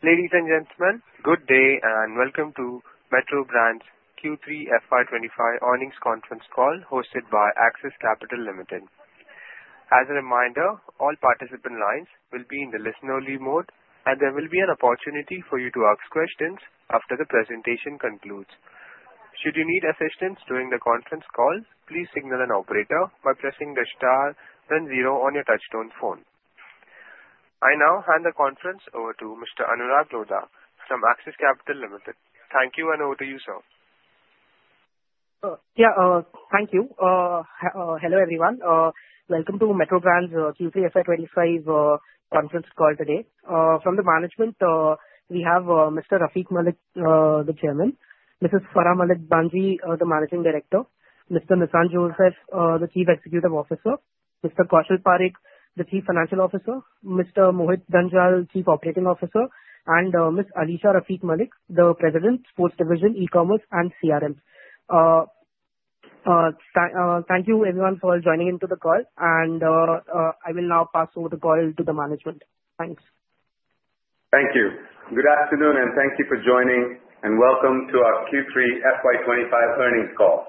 Ladies and gentlemen, good day and welcome to Metro Brands Q3 FY 2025 earnings conference call hosted by Axis Capital Limited. As a reminder, all participant lines will be in the listen-only mode, and there will be an opportunity for you to ask questions after the presentation concludes. Should you need assistance during the conference call, please signal an operator by pressing the star then zero on your touchtone phone. I now hand the conference over to Mr. Anuraag Lodha from Axis Capital Limited. Thank you, and over to you, sir. Yeah. Thank you. Hello, everyone. Welcome to Metro Brands Q3 FY 2025 conference call today. From the management, we have Mr. Rafique Malik, the chairman; Mrs. Farah Malik Bhanji, the managing director; Mr. Nissan Joseph, the chief executive officer; Mr. Kaushal Parekh, the chief financial officer; Mr. Mohit Dhanjal, chief operating officer; and Ms. Alisha Rafique Malik, the president, sports division, e-commerce, and CRM. Thank you everyone for joining into the call and I will now pass over the call to the management. Thanks. Thank you. Good afternoon and thank you for joining and welcome to our Q3 FY 2025 earnings call.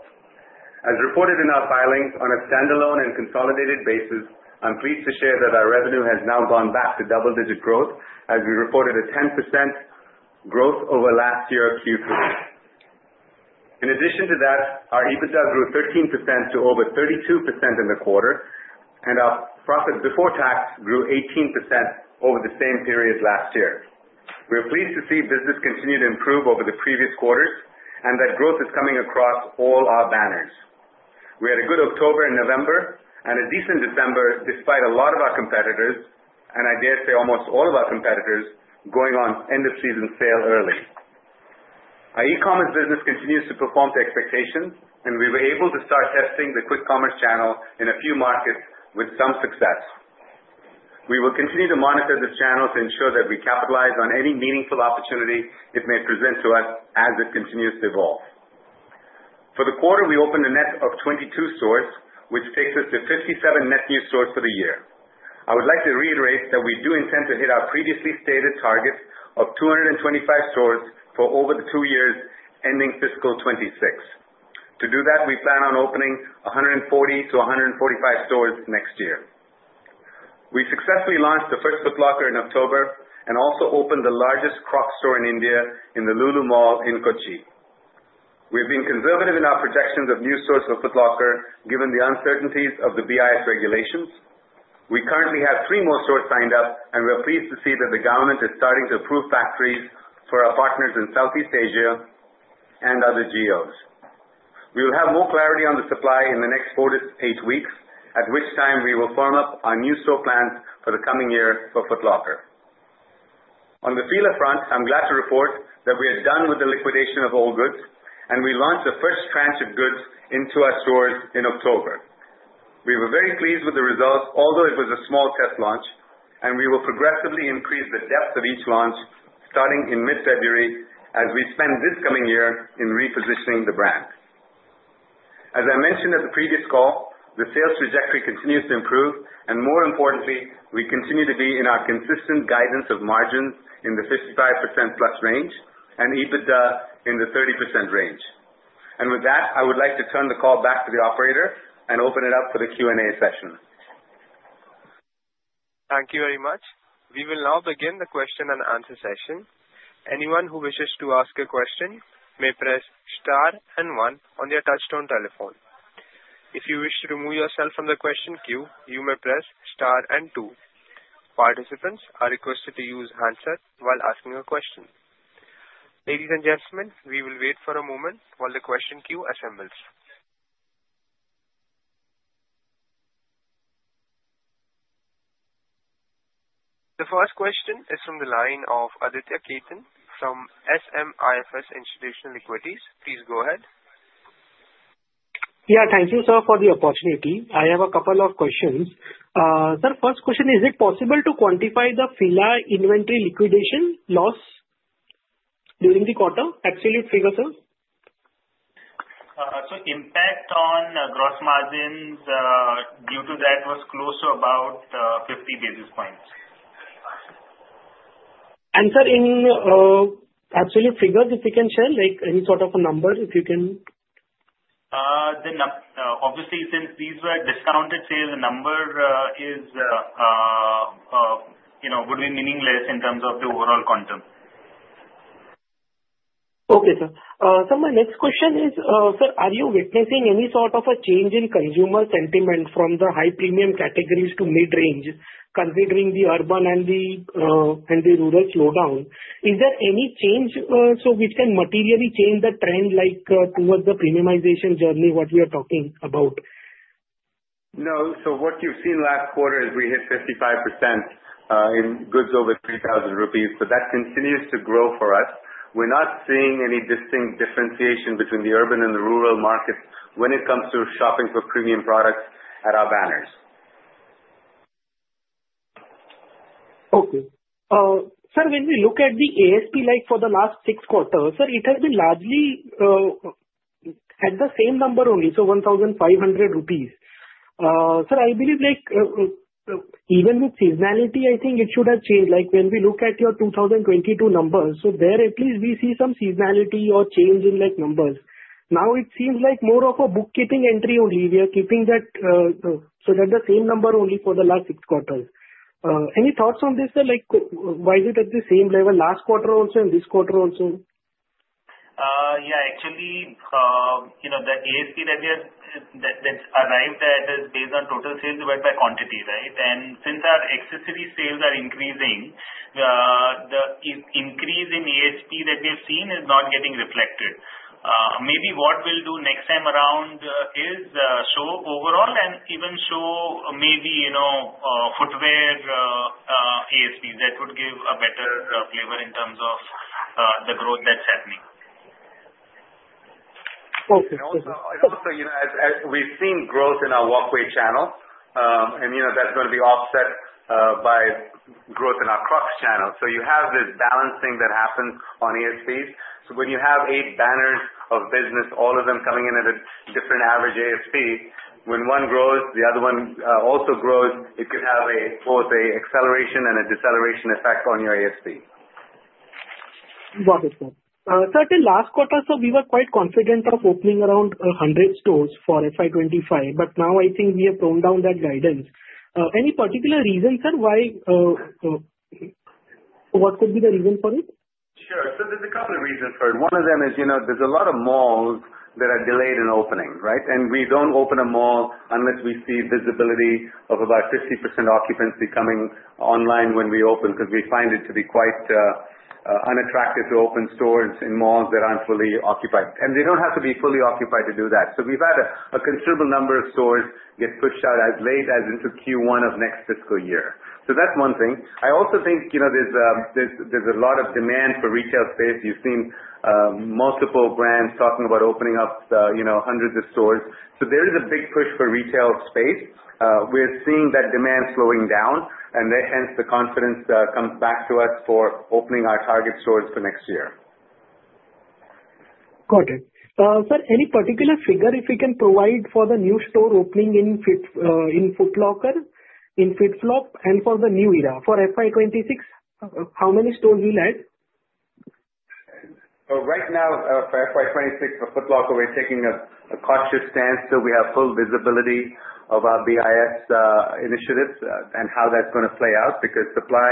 As reported in our filings on a standalone and consolidated basis, I am pleased to share that our revenue has now gone back to double-digit growth as we reported a 10% growth over last year Q3. In addition to that, our EBITDA grew 13% to over 32% in the quarter, and our profit before tax grew 18% over the same period last year. We are pleased to see business continue to improve over the previous quarters and that growth is coming across all our banners. We had a good October and November and a decent December despite a lot of our competitors, and I dare say almost all of our competitors, going on end-of-season sale early. Our e-commerce business continues to perform to expectations, and we were able to start testing the quick commerce channel in a few markets with some success. We will continue to monitor this channel to ensure that we capitalize on any meaningful opportunity it may present to us as it continues to evolve. For the quarter, we opened a net of 22 stores, which takes us to 57 net new stores for the year. I would like to reiterate that we do intend to hit our previously stated target of 225 stores for over the two years ending FY 2026. To do that, we plan on opening 140 to 145 stores next year. We successfully launched the first Foot Locker in October and also opened the largest Crocs store in India in the Lulu Mall in Kochi. We've been conservative in our projections of new stores for Foot Locker, given the uncertainties of the BIS regulations. We currently have three more stores signed up, and we are pleased to see that the government is starting to approve factories for our partners in Southeast Asia and other geos. We will have more clarity on the supply in the next four to eight weeks, at which time we will firm up our new store plans for the coming year for Foot Locker. On the Fila front, I'm glad to report that we are done with the liquidation of all goods and we launched the first tranche of goods into our stores in October. We were very pleased with the results, although it was a small test launch, and we will progressively increase the depth of each launch starting in mid-February as we spend this coming year in repositioning the brand. As I mentioned at the previous call, the sales trajectory continues to improve and more importantly, we continue to be in our consistent guidance of margins in the 55% plus range and EBITDA in the 30% range. With that, I would like to turn the call back to the operator and open it up for the Q&A session. Thank you very much. We will now begin the question and answer session. Anyone who wishes to ask a question may press star and one on your touchtone telephone. If you wish to remove yourself from the question queue, you may press star and two. Participants are requested to use handsets while asking a question. Ladies and gentlemen, we will wait for a moment while the question queue assembles. The first question is from the line of Aditya Khetan from SMIFS Institutional Equities. Please go ahead. Yeah, thank you, sir, for the opportunity. I have a couple of questions. Sir, first question, is it possible to quantify the Fila inventory liquidation loss during the quarter? Absolute figure, sir. impact on gross margins due to that was close to about 50 basis points. sir, in absolute figures, if you can share any sort of a number. Obviously, since these were discounted sales, the number would be meaningless in terms of the overall quantum. Okay, sir. Sir, my next question is, are you witnessing any sort of a change in consumer sentiment from the high premium categories to mid-range, considering the urban and the rural slowdown? Is there any change which can materially change the trend towards the premiumization journey, what we are talking about? No. What you've seen last quarter is we hit 55% in goods over 3,000 rupees, that continues to grow for us. We're not seeing any distinct differentiation between the urban and the rural markets when it comes to shopping for premium products at our banners. Okay. Sir, when we look at the ASP for the last six quarters, it has been largely at the same number only, 1,500 rupees. Sir, I believe even with seasonality, I think it should have changed. When we look at your 2022 numbers, there at least we see some seasonality or change in numbers. Now it seems like more of a bookkeeping entry only. We are keeping that, the same number only for the last six quarters. Any thoughts on this? Why is it at the same level last quarter also and this quarter also? Actually, the ASP that arrived there is based on total sales divided by quantity. Since our accessory sales are increasing, the increase in ASP that we have seen is not getting reflected. Maybe what we'll do next time around is show overall and even show maybe footwear ASPs. That would give a better flavor in terms of the growth that's happening. Okay. Also, as we've seen growth in our Walkway channel, that's going to be offset by growth in our Crocs channel. You have this balancing that happens on ASPs. When you have eight banners of business, all of them coming in at a different average ASP, when one grows, the other one also grows, it can have both a acceleration and a deceleration effect on your ASP. Got it, sir. Sir, till last quarter, we were quite confident of opening around 100 stores for FY 2025. Now I think we have toned down that guidance. Any particular reason, sir? What could be the reason for it? Sure. There's a couple of reasons for it. One of them is there's a lot of malls that are delayed in opening. We don't open a mall unless we see visibility of about 50% occupancy coming online when we open, because we find it to be quite unattractive to open stores in malls that aren't fully occupied. They don't have to be fully occupied to do that. We've had a considerable number of stores get pushed out as late as into Q1 of next fiscal year. That's one thing. I also think there's a lot of demand for retail space. You've seen multiple brands talking about opening up hundreds of stores. There is a big push for retail space. We're seeing that demand slowing down, hence the confidence comes back to us for opening our target stores for next year. Got it. Sir, any particular figure, if we can provide for the new store opening in Foot Locker, in FitFlop, and for the New Era. For FY 2026, how many stores you'll add? Right now, for FY 2026, for Foot Locker, we're taking a cautious stance till we have full visibility of our BIS initiatives and how that's going to play out because supply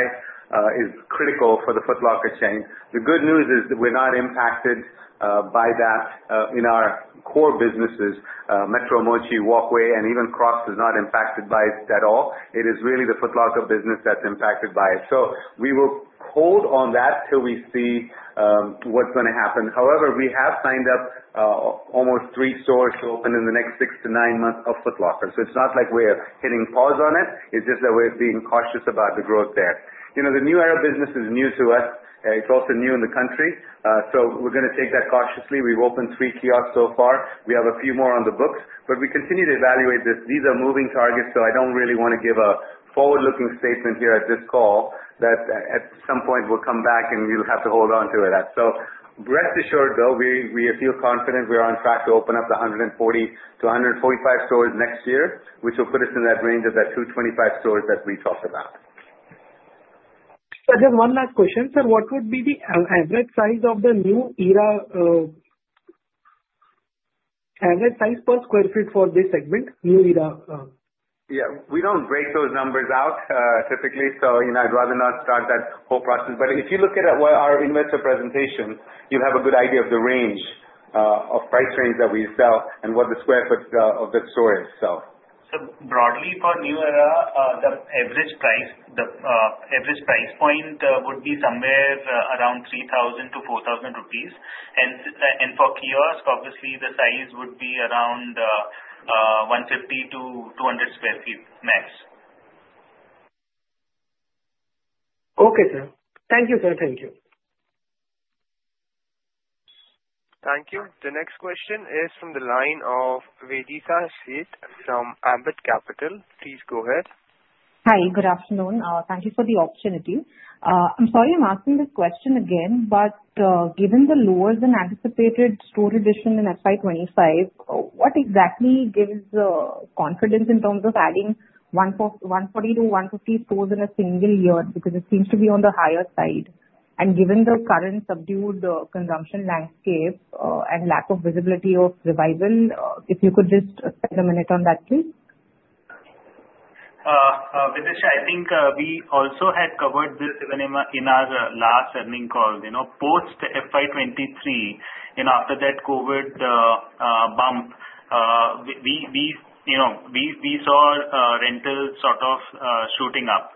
is critical for the Foot Locker chain. The good news is that we're not impacted by that in our core businesses. Metro, Mochi, Walkway, and even Crocs is not impacted by it at all. It is really the Foot Locker business that's impacted by it. We will hold on that till we see what's going to happen. However, we have signed up almost three stores to open in the next six to nine months of Foot Locker. It's not like we're hitting pause on it's just that we're being cautious about the growth there. The New Era business is new to us, it's also new in the country. We're going to take that cautiously. We've opened three kiosks so far. We have a few more on the books, we continue to evaluate this. These are moving targets, I don't really want to give a forward-looking statement here at this call that at some point we'll come back and you'll have to hold on to it. Rest assured, though, we feel confident we're on track to open up the 140 to 145 stores next year, which will put us in that range of that 225 stores that we talked about. Sir, just one last question. Sir, what would be the average size of the New Era average size per square foot for this segment, New Era? We don't break those numbers out typically. I'd rather not start that whole process. If you look at our investor presentation, you have a good idea of the range, of price range that we sell and what the square foot of the store itself. Sir, broadly for New Era, the average price point would be somewhere around 3,000 to 4,000 rupees. For kiosks, obviously, the size would be around 150 to 200 square feet max. Okay, sir. Thank you, sir. Thank you. The next question is from the line of Videesha Sheth from Ambit Capital. Please go ahead. Hi, good afternoon. Thank you for the opportunity. Given the lower than anticipated store addition in FY 2025, what exactly gives the confidence in terms of adding 140-150 stores in a single year? It seems to be on the higher side. Given the current subdued consumption landscape, and lack of visibility of revival, if you could just spend a minute on that, please. Videesha, I think we also had covered this in our last earning call. Post FY 2023, after that COVID bump, we saw rentals sort of shooting up.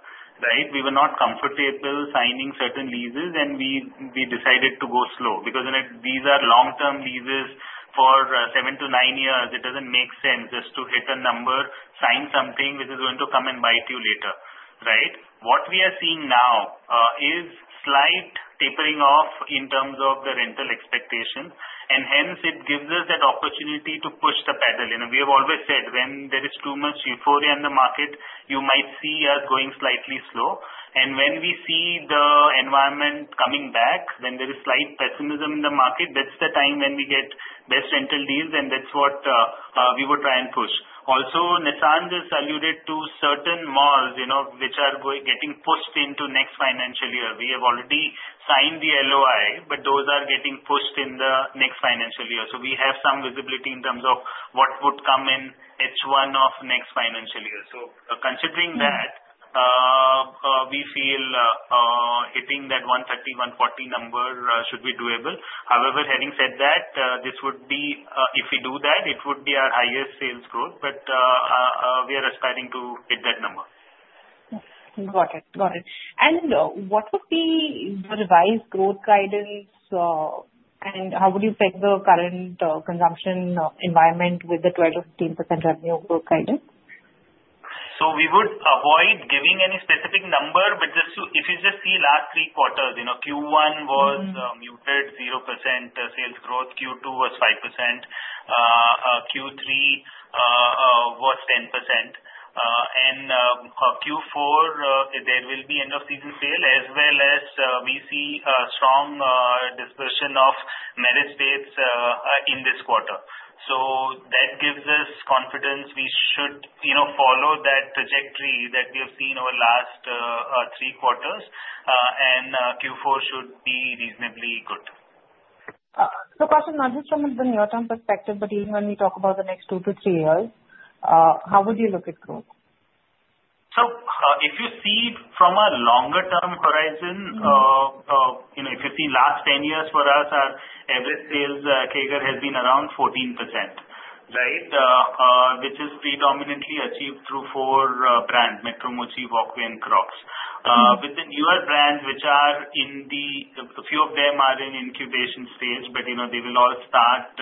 We were not comfortable signing certain leases, and we decided to go slow because these are long-term leases for seven to nine years. It doesn't make sense just to hit a number, sign something which is going to come and bite you later. What we are seeing now is slight tapering off in terms of the rental expectation, and hence it gives us that opportunity to push the pedal. We have always said, when there is too much euphoria in the market, you might see us going slightly slow. When we see the environment coming back, when there is slight pessimism in the market, that's the time when we get best rental deals, and that's what we will try and push. Nissan has alluded to certain malls which are getting pushed into next financial year. We have already signed the LOI, but those are getting pushed in the next financial year. We have some visibility in terms of what would come in H1 of next financial year. Considering that, we feel hitting that 130-140 number should be doable. However, having said that, if we do that, it would be our highest sales growth. We are aspiring to hit that number. Got it. What would be the revised growth guidance? How would you peg the current consumption environment with the 12%-15% revenue growth guidance? We would avoid giving any specific number. If you just see last three quarters, Q1 was muted, 0% sales growth. Q2 was 5%, Q3 was 10%, and Q4, there will be end of season sale as well as we see a strong dispersion of marriage dates in this quarter. That gives us confidence we should follow that trajectory that we have seen over the last three quarters, and Q4 should be reasonably good. Question, not just from the near-term perspective, but even when we talk about the next two to three years, how would you look at growth? If you see from a longer-term horizon, if you see last 10 years for us, our average sales CAGR has been around 14%, right? Which is predominantly achieved through four brands, Metro, Mochi, Walkway, and Crocs. With the newer brands, a few of them are in incubation stage, but they will all start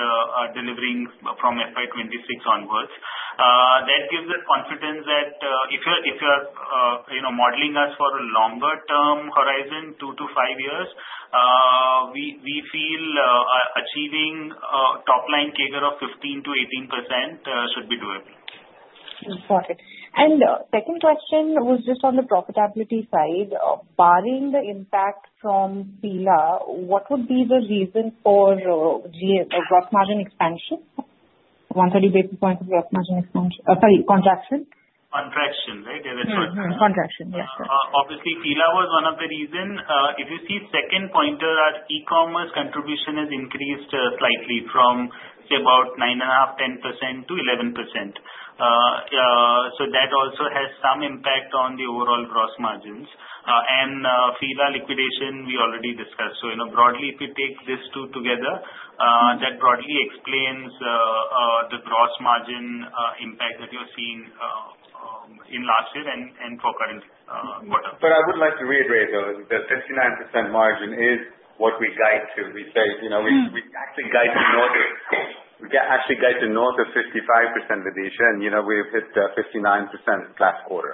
delivering from FY 2026 onwards. That gives us confidence that if you are modeling us for a longer-term horizon, two to five years, we feel achieving a top-line CAGR of 15%-18% should be doable. Got it. Second question was just on the profitability side. Barring the impact from Fila, what would be the reason for gross margin expansion? 130 basis points of gross margin contraction. Contraction, right? Contraction, yes. Fila was one of the reasons. If you see second pointer, our e-commerce contribution has increased slightly from say about 9.5%, 10% to 11%. That also has some impact on the overall gross margins. Fila liquidation, we already discussed. Broadly, if you take these two together, that broadly explains the gross margin impact that you're seeing in last year and for current quarter. I would like to reiterate, though, the 59% margin is what we guide to. We actually guide to north of 55%, Videesha. We've hit 59% last quarter.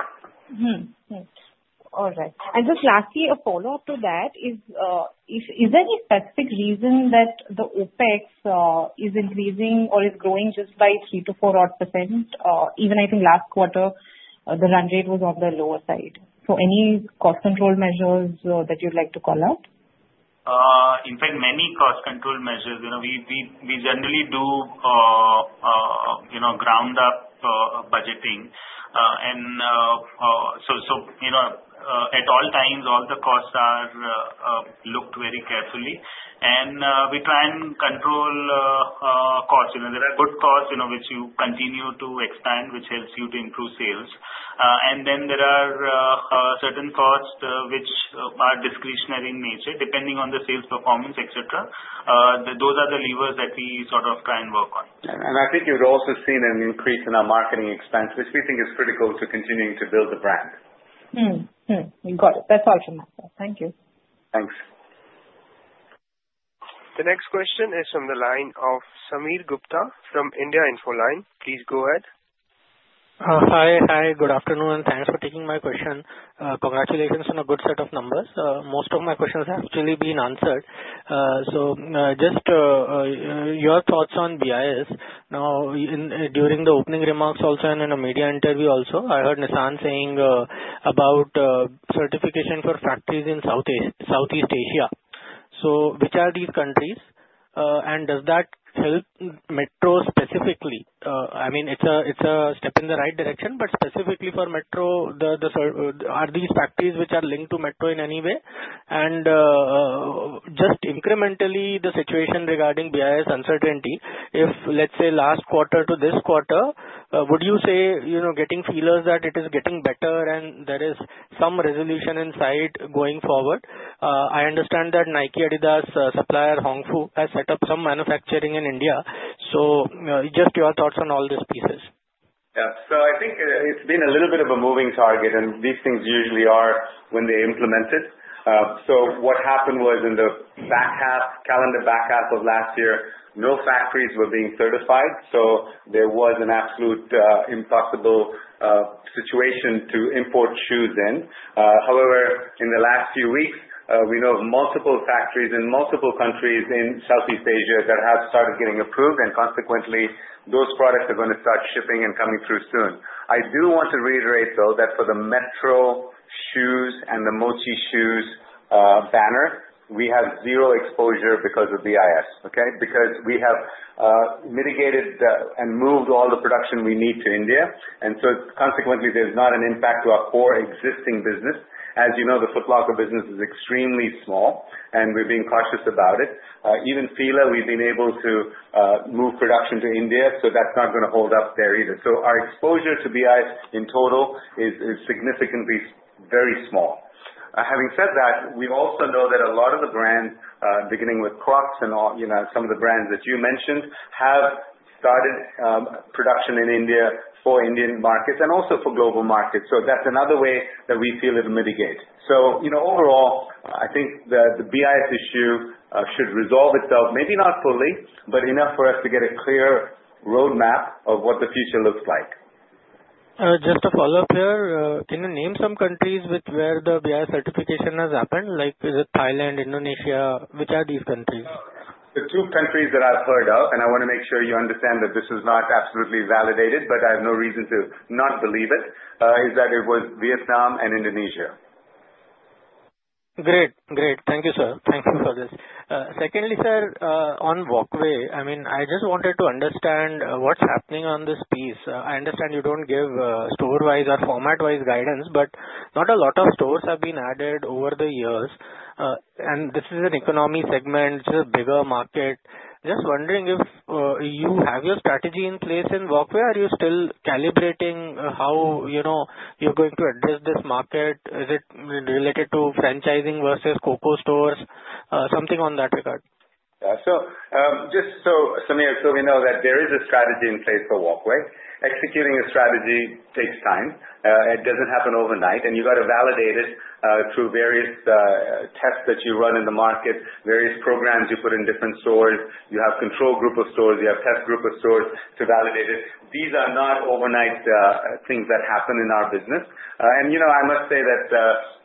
All right. Just lastly, a follow-up to that is there a specific reason that the OPEX is increasing or is growing just by 3% to 4-odd%? Even I think last quarter, the run rate was on the lower side. Any cost control measures that you'd like to call out? In fact, many cost control measures. We generally do ground-up budgeting. At all times, all the costs are looked very carefully. We try and control costs. There are good costs which you continue to expand, which helps you to improve sales. Then there are certain costs which are discretionary in nature, depending on the sales performance, et cetera. Those are the levers that we sort of try and work on. I think you've also seen an increase in our marketing expense, which we think is critical to continuing to build the brand. Got it. That's all from my side. Thank you. Thanks. The next question is from the line of Sameer Gupta from India Infoline. Please go ahead. Hi. Good afternoon. Thanks for taking my question. Congratulations on a good set of numbers. Most of my questions have actually been answered. Just your thoughts on BIS. During the opening remarks also and in a media interview also, I heard Nissan saying about certification for factories in Southeast Asia. Which are these countries, and does that help Metro specifically? It's a step in the right direction, but specifically for Metro, are these factories which are linked to Metro in any way? And just incrementally, the situation regarding BIS uncertainty, if let's say last quarter to this quarter, would you say you're getting feelers that it is getting better and there is some resolution in sight going forward? I understand that Nike, Adidas supplier Hong Fu has set up some manufacturing in India. Just your thoughts on all these pieces. I think it's been a little bit of a moving target, and these things usually are when they implement it. What happened was in the calendar back half of last year, no factories were being certified, so there was an absolute impossible situation to import shoes in. However, in the last few weeks, we know of multiple factories in multiple countries in Southeast Asia that have started getting approved, and consequently, those products are going to start shipping and coming through soon. I do want to reiterate, though, that for the Metro Shoes and the Mochi Shoes banner, we have zero exposure because of BIS. Okay? Because we have mitigated and moved all the production we need to India, consequently, there's not an impact to our core existing business. As you know, the Foot Locker business is extremely small, and we're being cautious about it. Even Fila, we've been able to move production to India, that's not going to hold up there either. Our exposure to BIS in total is significantly very small. Having said that, we also know that a lot of the brands, beginning with Crocs and some of the brands that you mentioned, have started production in India for Indian markets and also for global markets. That's another way that we feel it'll mitigate. Overall, I think the BIS issue should resolve itself, maybe not fully, but enough for us to get a clear roadmap of what the future looks like. Just a follow-up here. Can you name some countries where the BIS certification has happened, like is it Thailand, Indonesia? Which are these countries? The two countries that I've heard of, and I want to make sure you understand that this is not absolutely validated, but I have no reason to not believe it, is that it was Vietnam and Indonesia. Great. Thank you, sir. Thank you for this. Secondly, sir, on Walkway, I just wanted to understand what's happening on this piece. I understand you don't give store-wise or format-wise guidance, but not a lot of stores have been added over the years. This is an economy segment. This is a bigger market. Just wondering if you have your strategy in place in Walkway, or you're still calibrating how you're going to address this market. Is it related to franchising versus COCO stores? Something on that regard. Sameer, we know that there is a strategy in place for Walkway. Executing a strategy takes time. It doesn't happen overnight, and you got to validate it through various tests that you run in the market, various programs you put in different stores. You have control group of stores, you have test group of stores to validate it. These are not overnight things that happen in our business. I must say that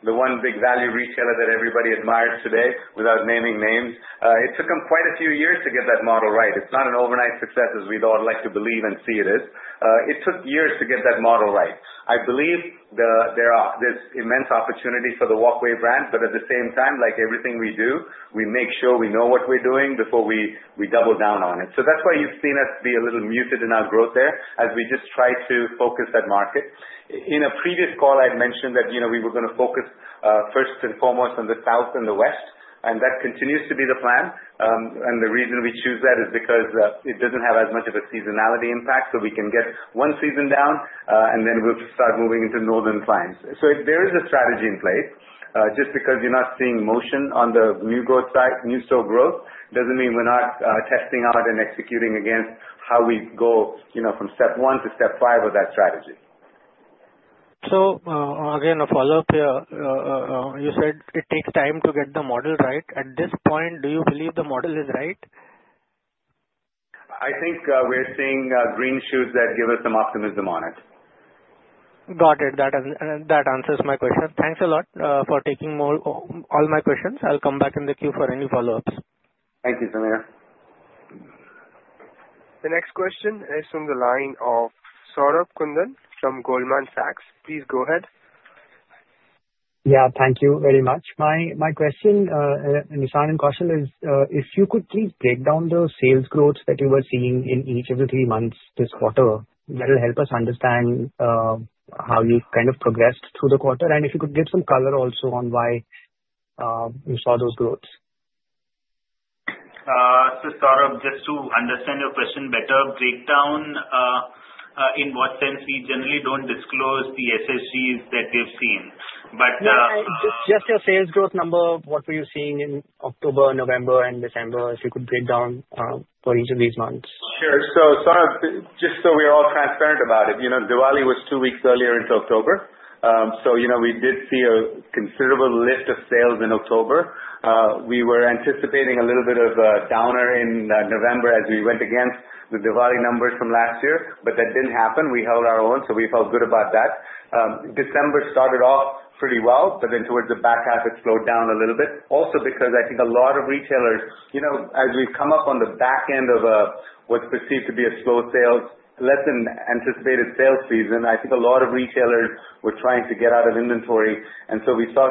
the one big value retailer that everybody admires today, without naming names, it took them quite a few years to get that model right. It's not an overnight success as we'd all like to believe and see it is. It took years to get that model right. I believe there's immense opportunity for the Walkway brand, but at the same time, like everything we do, we make sure we know what we're doing before we double down on it. That's why you've seen us be a little muted in our growth there, as we just try to focus that market. In a previous call, I had mentioned that we were going to focus first and foremost on the South and the West, and that continues to be the plan. The reason we choose that is because it doesn't have as much of a seasonality impact, so we can get one season down, and then we'll start moving into Northern climes. There is a strategy in place. Just because you're not seeing motion on the new store growth doesn't mean we're not testing out and executing against how we go from step 1 to step 5 of that strategy. Again, a follow-up here. You said it takes time to get the model right. At this point, do you believe the model is right? I think we're seeing green shoots that give us some optimism on it. Got it. That answers my question. Thanks a lot for taking all my questions. I'll come back in the queue for any follow-ups. Thank you, Sameer. The next question is from the line of Saurabh Kundu from Goldman Sachs. Please go ahead. Yeah. Thank you very much. My question, Nissan and Kaushal, is if you could please break down the sales growth that you were seeing in each of the three months this quarter, that will help us understand how you kind of progressed through the quarter, and if you could give some color also on why you saw those growths. Saurabh, just to understand your question better, breakdown, in what sense? We generally do not disclose the SSSG that we have seen. No, just your sales growth number, what were you seeing in October, November, and December, if you could break down for each of these months? Sure. Saurabh, just so we're all transparent about it, Diwali was 2 weeks earlier into October. We did see a considerable lift of sales in October. We were anticipating a little bit of a downer in November as we went against the Diwali numbers from last year, that didn't happen. We held our own, so we felt good about that. Towards the back half, it slowed down a little bit. Also because I think a lot of retailers, as we've come up on the back end of what's perceived to be a slow sales, less than anticipated sales season, I think a lot of retailers were trying to get out of inventory, we saw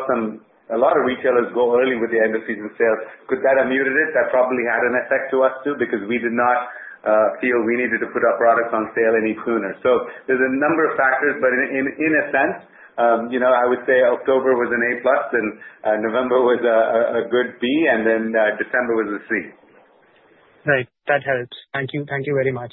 a lot of retailers go early with the end of season sales. Could that have muted it? That probably had an effect to us, too, because we did not feel we needed to put our products on sale any sooner. There's a number of factors, in a sense, I would say October was an A plus, November was a good B, December was a C. Right. That helps. Thank you very much.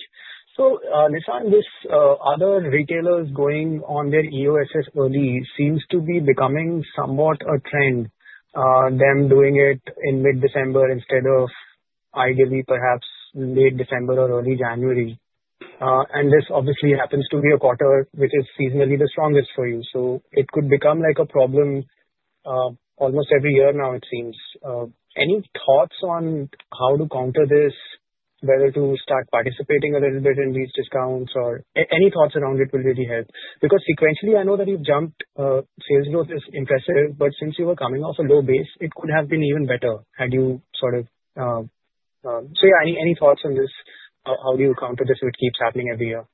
Nissan, these other retailers going on their EOSS early seems to be becoming somewhat a trend, them doing it in mid-December instead of ideally perhaps late December or early January. This obviously happens to be a quarter which is seasonally the strongest for you. It could become like a problem almost every year now it seems. Any thoughts on how to counter this, whether to start participating a little bit in these discounts or any thoughts around it will really help. Sequentially, I know that you've jumped, sales growth is impressive, but since you were coming off a low base, it could have been even better had you. Yeah, any thoughts on this? How do you counter this if it keeps happening every year?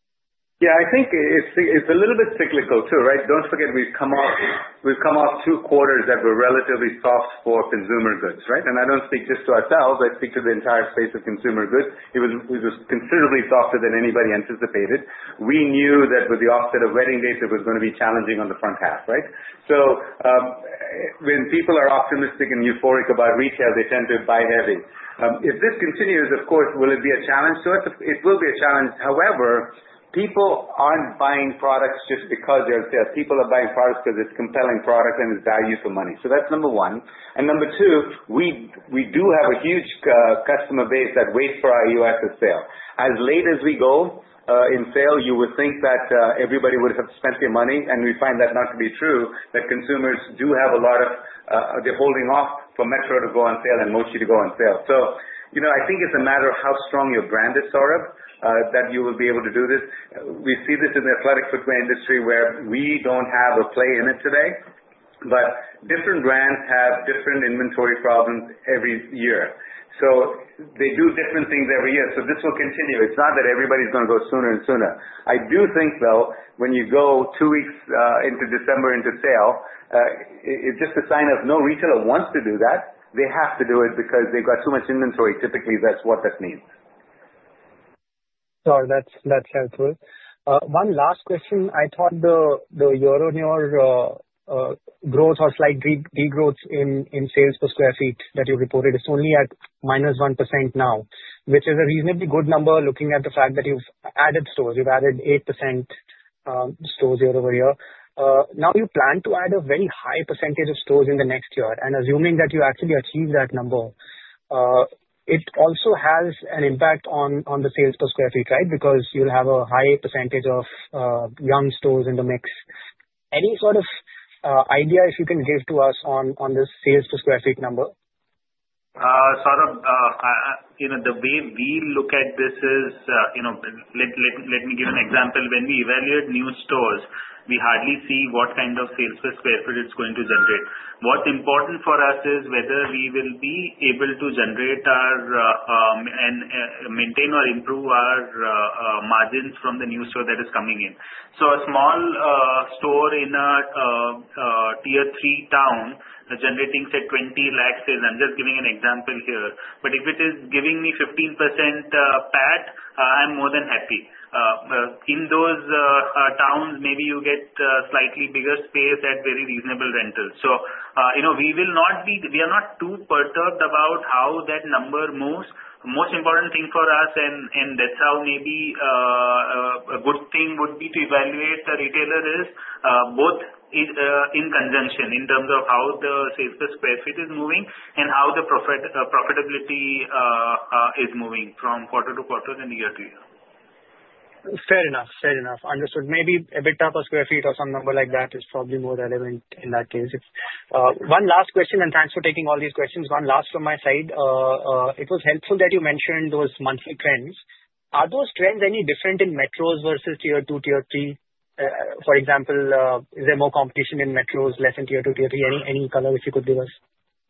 Yeah, I think it's a little bit cyclical too, right? Don't forget we've come off 2 quarters that were relatively soft for consumer goods, right? I don't speak just to ourselves, I speak to the entire space of consumer goods. It was considerably softer than anybody anticipated. We knew that with the offset of wedding dates, it was going to be challenging on the front half, right? When people are optimistic and euphoric about retail, they tend to buy heavy. If this continues, of course, will it be a challenge to us? It will be a challenge. People aren't buying products just because they're on sale. People are buying products because it's a compelling product and it's value for money. That's number one. Number two, we do have a huge customer base that waits for our EOSS sale. As late as we go in sale, you would think that everybody would have spent their money. We find that not to be true, that consumers do have a lot of. They're holding off for Metro to go on sale and Mochi to go on sale. I think it's a matter of how strong your brand is, Saurabh, that you will be able to do this. We see this in the athletic footwear industry, where we don't have a play in it today, but different brands have different inventory problems every year. They do different things every year. This will continue. It's not that everybody's going to go sooner and sooner. I do think, though, when you go 2 weeks into December into sale, it's just a sign of no retailer wants to do that. They have to do it because they've got so much inventory. Typically, that's what that means. Sorry, that's helpful. One last question. I thought the year-over-year growth or slight de-growth in sales per square feet that you reported is only at -1% now. Which is a reasonably good number, looking at the fact that you've added stores, you've added 8% stores year-over-year. You plan to add a very high percentage of stores in the next year. Assuming that you actually achieve that number, it also has an impact on the sales per square feet, right? You'll have a higher percentage of young stores in the mix. Any sort of ideas you can give to us on this sales per square feet number? Saurabh, the way we look at this is. Let me give an example. When we evaluate new stores, we hardly see what kind of sales per square foot it's going to generate. What's important for us is whether we will be able to generate and maintain or improve our margins from the new store that is coming in. A small store in a tier 3 town that's generating, say, 20 lakhs, I'm just giving an example here, but if it is giving me 15% PAT, I'm more than happy. In those towns, maybe you get slightly bigger space at very reasonable rentals. We are not too perturbed about how that number moves. Most important thing for us, and that's how maybe a good thing would be to evaluate a retailer is, both in conjunction, in terms of how the sales per square foot is moving and how the profitability is moving from quarter to quarter and year to year. Fair enough. Understood. Maybe EBITDA per square feet or some number like that is probably more relevant in that case. One last question, and thanks for taking all these questions. One last from my side. It was helpful that you mentioned those monthly trends. Are those trends any different in metros versus tier 2, tier 3? For example, is there more competition in metros, less in tier 2, tier 3? Any color which you could give us?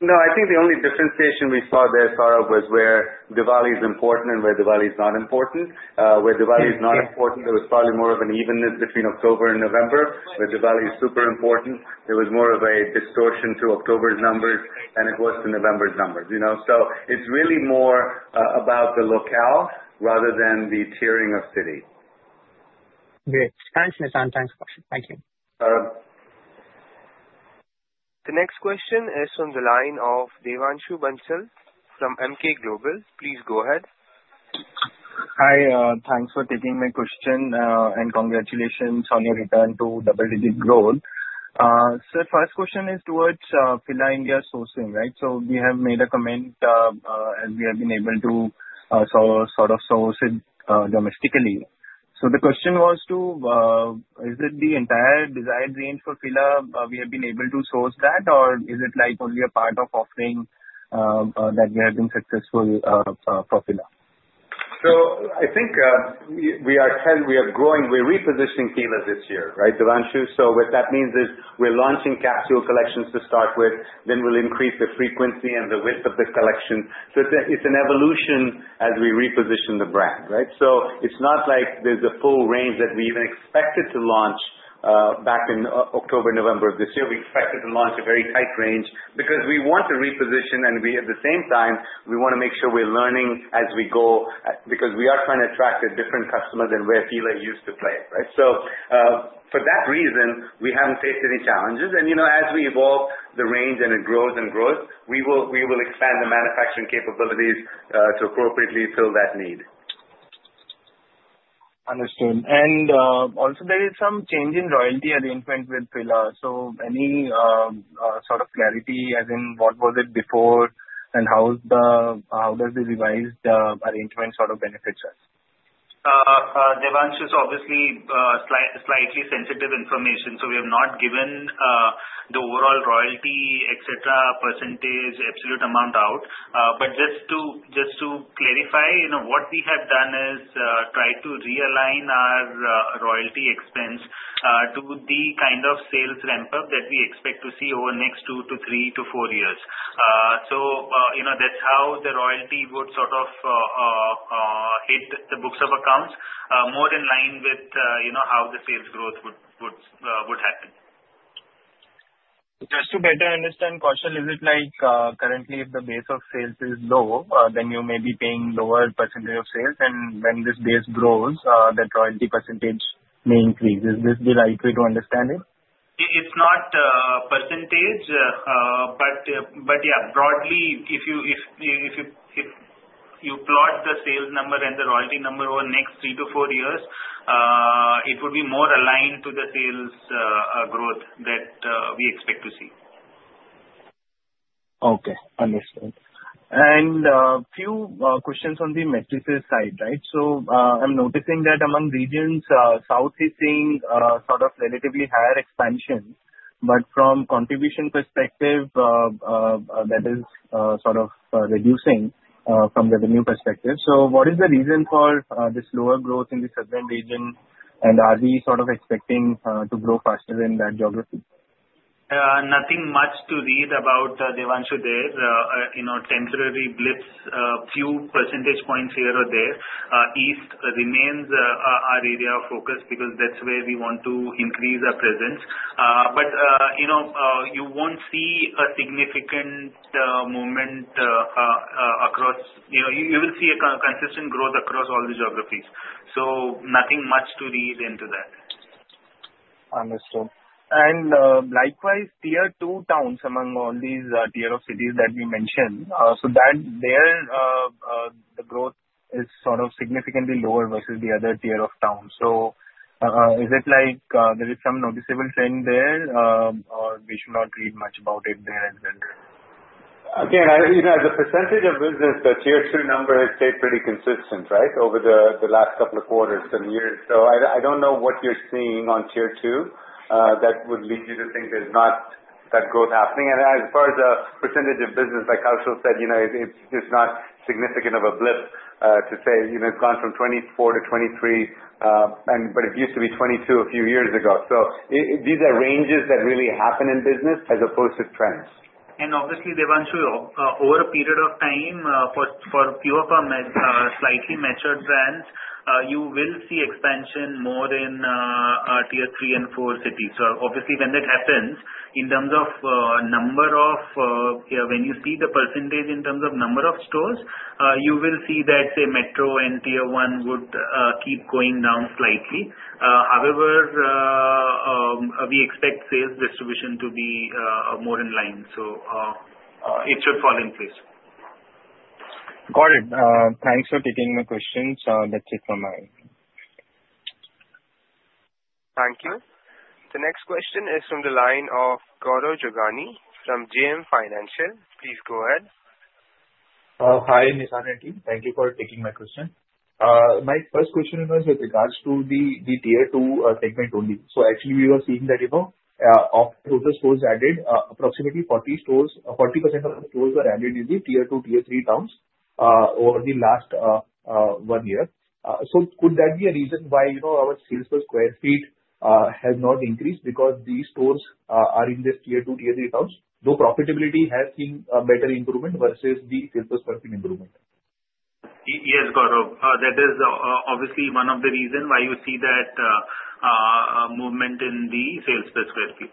No, I think the only differentiation we saw there, Saurabh, was where Diwali is important and where Diwali is not important. Where Diwali is not important, there was probably more of an evenness between October and November. Where Diwali is super important, there was more of a distortion to October's numbers than it was to November's numbers. It's really more about the locale rather than the tiering of city. Great. Thanks, Nissan. Thanks. Thank you. Saurabh. The next question is on the line of Devanshu Bansal from Emkay Global. Please go ahead. Hi, thanks for taking my question, congratulations on your return to double-digit growth. Sir, first question is towards Fila India sourcing, right? We have made a comment, as we have been able to sort of source it domestically. The question was, is it the entire design range for Fila? Have we been able to source that, or is it only a part of offering that we have been successful for Fila? I think we are growing, we're repositioning Fila this year, right, Devanshu? What that means is we're launching capsule collections to start with, then we'll increase the frequency and the width of the collection. It's an evolution as we reposition the brand, right? It's not like there's a full range that we even expected to launch back in October, November of this year. We expected to launch a very tight range because we want to reposition, and at the same time, we want to make sure we're learning as we go because we are trying to attract a different customer than where Fila used to play, right? For that reason, we haven't faced any challenges. As we evolve the range and it grows and grows, we will expand the manufacturing capabilities to appropriately fill that need. Understood. Also there is some change in royalty arrangement with Fila. Any sort of clarity as in what was it before and how does the revised arrangement sort of benefit us? Devanshu, it's obviously slightly sensitive information, we have not given the overall royalty, et cetera, percentage, absolute amount out. Just to clarify, what we have done is try to realign our royalty expense to the kind of sales ramp-up that we expect to see over the next two to three to four years. That's how the royalty would sort of hit the books of accounts, more in line with how the sales growth would happen. Just to better understand, Kaushal, is it like currently if the base of sales is low, then you may be paying a lower percentage of sales, when this base grows, that royalty percentage may increase. Is this the right way to understand it? It's not a percentage. Yeah, broadly, if you plot the sales number and the royalty number over the next three to four years, it would be more aligned to the sales growth that we expect to see. Okay, understood. A few questions on the matrices side. I'm noticing that among regions, south is seeing sort of relatively higher expansion, from a contribution perspective, that is sort of reducing from the revenue perspective. What is the reason for the slower growth in the southern region, are we sort of expecting to grow faster in that geography? Nothing much to read about, Devanshu, there. Temporary blips, a few percentage points here or there. East remains our area of focus because that's where we want to increase our presence. You will see a consistent growth across all the geographies. Nothing much to read into that. Understood. Likewise, tier 2 towns among all these tier of cities that we mentioned. There, the growth is sort of significantly lower versus the other tier of towns. Is it like there is some noticeable trend there, or we should not read much about it there as well? Again, the percentage of business, the tier 2 number has stayed pretty consistent over the last couple of quarters and years. I don't know what you're seeing on tier 2 that would lead you to think there's not that growth happening. As far as the percentage of business, like Kaushal said, it's not significant of a blip to say it's gone from 24 to 23, but it used to be 22 a few years ago. These are ranges that really happen in business as opposed to trends. Obviously, Devanshu, over a period of time for a few of our slightly matured brands, you will see expansion more in tier 3 and 4 cities. Obviously, when that happens, when you see the percentage in terms of number of stores, you will see that, say, Metro and tier 1 would keep going down slightly. However, we expect sales distribution to be more in line, so it should fall in place. Got it. Thanks for taking my questions. That's it from my end. Thank you. The next question is from the line of Gaurav Jogani from JM Financial. Please go ahead. Hi, Nissan and team. Thank you for taking my question. My first question was with regards to the tier 2 segment only. Actually, we were seeing that of total stores added, approximately 40% of the stores were added in the tier 2, tier 3 towns over the last one year. Could that be a reason why our sales per square feet has not increased because these stores are in these tier 2, tier 3 towns, though profitability has seen a better improvement versus the sales per square feet improvement? Yes, Gaurav. That is obviously one of the reasons why you see that movement in the sales per square feet.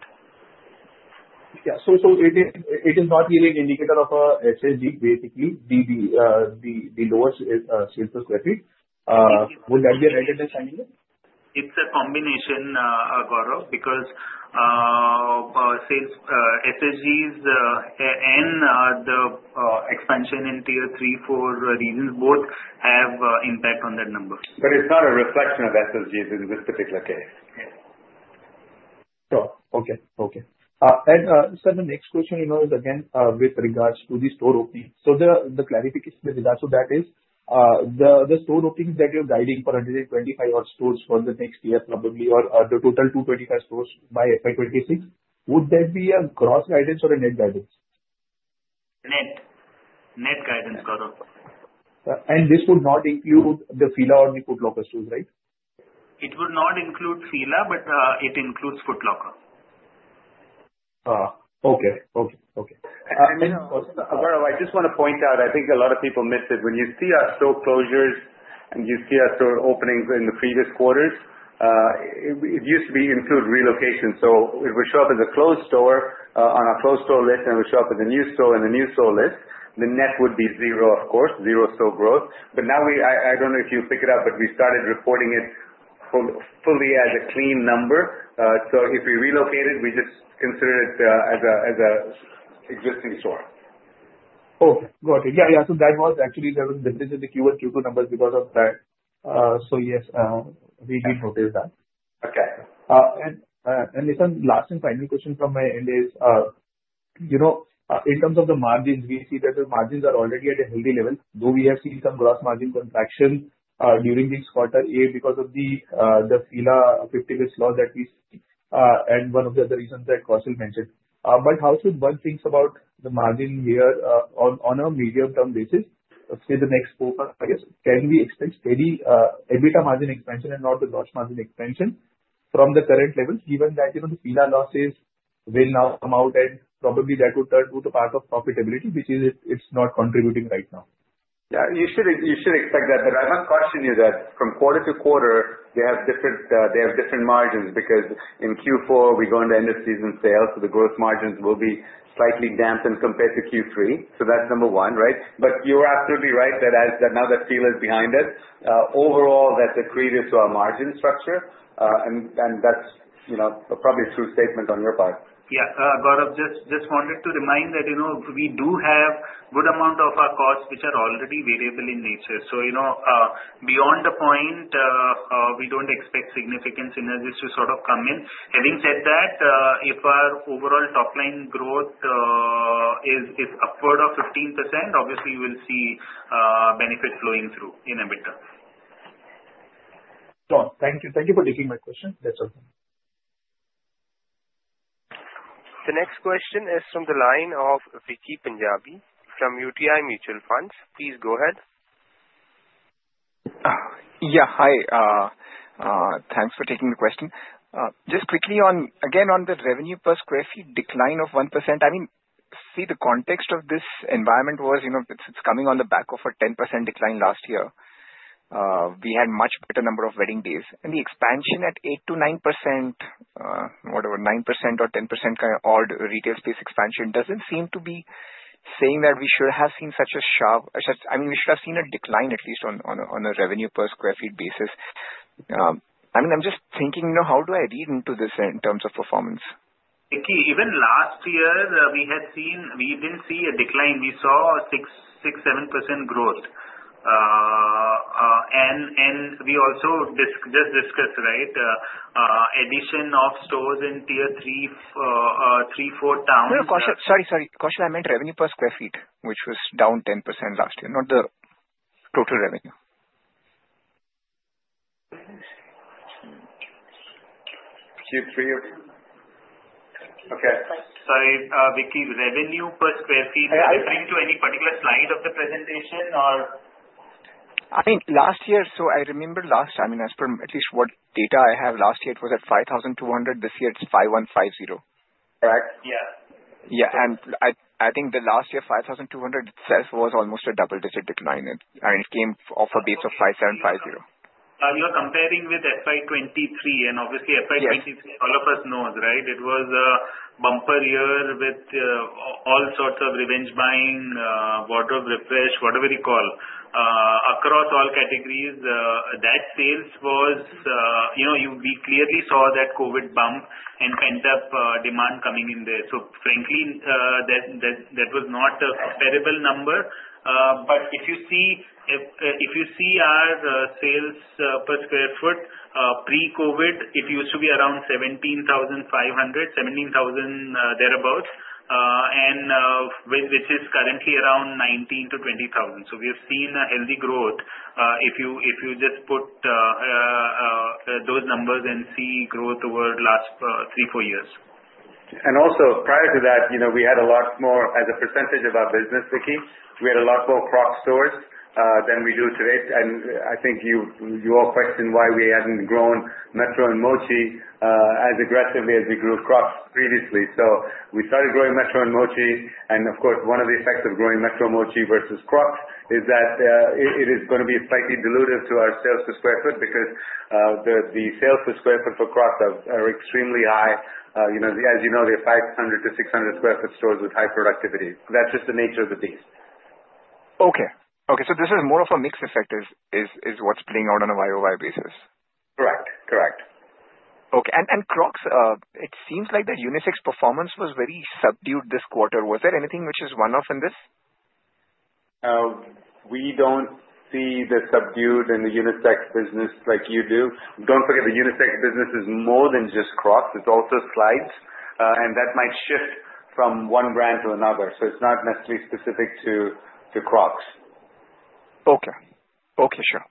Yeah. It is not really an indicator of SSG, basically, the lowest sales per square feet. Would that be a right way to understand it? It's a combination, Gaurav, because SSGs and the expansion in tier 3, 4 regions both have impact on that number. It's not a reflection of SSG in this particular case. Sure. Okay. Sir, the next question is again with regards to the store OP. The clarification with regards to that is, the store openings that you're guiding for 125 odd stores for the next year probably, or the total 225 stores by FY 2026, would that be a gross guidance or a net guidance? Net guidance, Gaurav. This would not include the Fila or the Foot Locker stores, right? It would not include Fila, but it includes Foot Locker. Okay. Gaurav, I just want to point out, I think a lot of people missed it. When you see our store closures and you see our store openings in the previous quarters, it used to include relocations. If we show up as a closed store on a closed store list and we show up as a new store on a new store list, the net would be zero, of course, zero store growth. Now, I don't know if you picked it up, but we started reporting it fully as a clean number. If we relocated, we just considered it as a existing store. Got it. There was actually difference in the Q1, Q2 numbers because of that. Yes, we did notice that. Okay. Nissan, last and final question from my end is, in terms of the margins, we see that the margins are already at a healthy level, though we have seen some gross margin contraction during this quarter, A, because of the Fila 50 base law that we see One of the other reasons that Kaushal mentioned. How should one think about the margin here on a medium-term basis, say, the next 4 quarters? Can we expect steady EBITDA margin expansion and not the gross margin expansion from the current levels, given that the Fila losses will now come out and probably that would turn to the path of profitability, which it's not contributing right now? You should expect that. I must caution you that from quarter to quarter, they have different margins because in Q4 we go into End of Season Sales, the growth margins will be slightly dampened compared to Q3. That's number 1, right? You are absolutely right that now that Fila is behind us, overall that's accretive to our margin structure. That's probably a true statement on your part. Gaurav, just wanted to remind that we do have good amount of our costs which are already variable in nature. Beyond a point, we don't expect significant synergies to sort of come in. Having said that, if our overall top-line growth is upward of 15%, obviously you will see benefits flowing through in EBITDA. Sure. Thank you. Thank you for taking my question. That's all. The next question is from the line of Vicky Punjabi from UTI Mutual Fund. Please go ahead. Hi. Thanks for taking the question. Just quickly, again, on the revenue per square feet decline of 1%, I mean, see the context of this environment was it's coming on the back of a 10% decline last year. We had much better number of wedding days and the expansion at 8%-9%, whatever, 9% or 10% kind of odd retail space expansion doesn't seem to be saying that we should have seen a decline at least on a revenue per square feet basis. I mean, I'm just thinking, how do I read into this in terms of performance? Vicky, even last year, we didn't see a decline. We saw 6%, 7% growth. We also just discussed addition of stores in tier 3, 4 towns. No, Kaushal. Sorry, Kaushal. I meant revenue per square feet, which was down 10% last year, not the total revenue. Q3. Okay. Sorry, Vicky, revenue per square feet. Are you referring to any particular slide of the presentation or? Last year, as per at least what data I have, last year it was at 5,200, this year it's 5,150. Correct? Yeah. I think the last year, 5,200 itself was almost a double-digit decline, it came off a base of 5,750. You're comparing with FY 2023 and obviously FY 2023- Yes All of us know, right? It was a bumper year with all sorts of revenge buying, wardrobe refresh, whatever you call, across all categories. We clearly saw that COVID bump and pent-up demand coming in there. Frankly, that was not a terrible number. If you see our sales per square foot, pre-COVID, it used to be around INR 17,500, 17,000 thereabout, which is currently around 19,000-20,000. We have seen a healthy growth, if you just put those numbers and see growth over last three, four years. Also prior to that, we had a lot more as a percentage of our business, Vicky, we had a lot more Crocs stores than we do today. I think you all question why we hadn't grown Metro and Mochi as aggressively as we grew Crocs previously. We started growing Metro and Mochi, and of course one of the effects of growing Metro and Mochi versus Crocs is that it is going to be slightly dilutive to our sales per square foot because the sales per square foot for Crocs are extremely high. As you know, they're 500-600 square foot stores with high productivity. That's just the nature of the beast. Okay. This is more of a mix effect is what's playing out on a year-over-year basis. Correct. Okay. Crocs, it seems like the unisex performance was very subdued this quarter. Was there anything which is one-off in this? We don't see the subdued in the unisex business like you do. Don't forget the unisex business is more than just Crocs. It's also slides. That might shift from one brand to another. It's not necessarily specific to Crocs. Okay. Sure.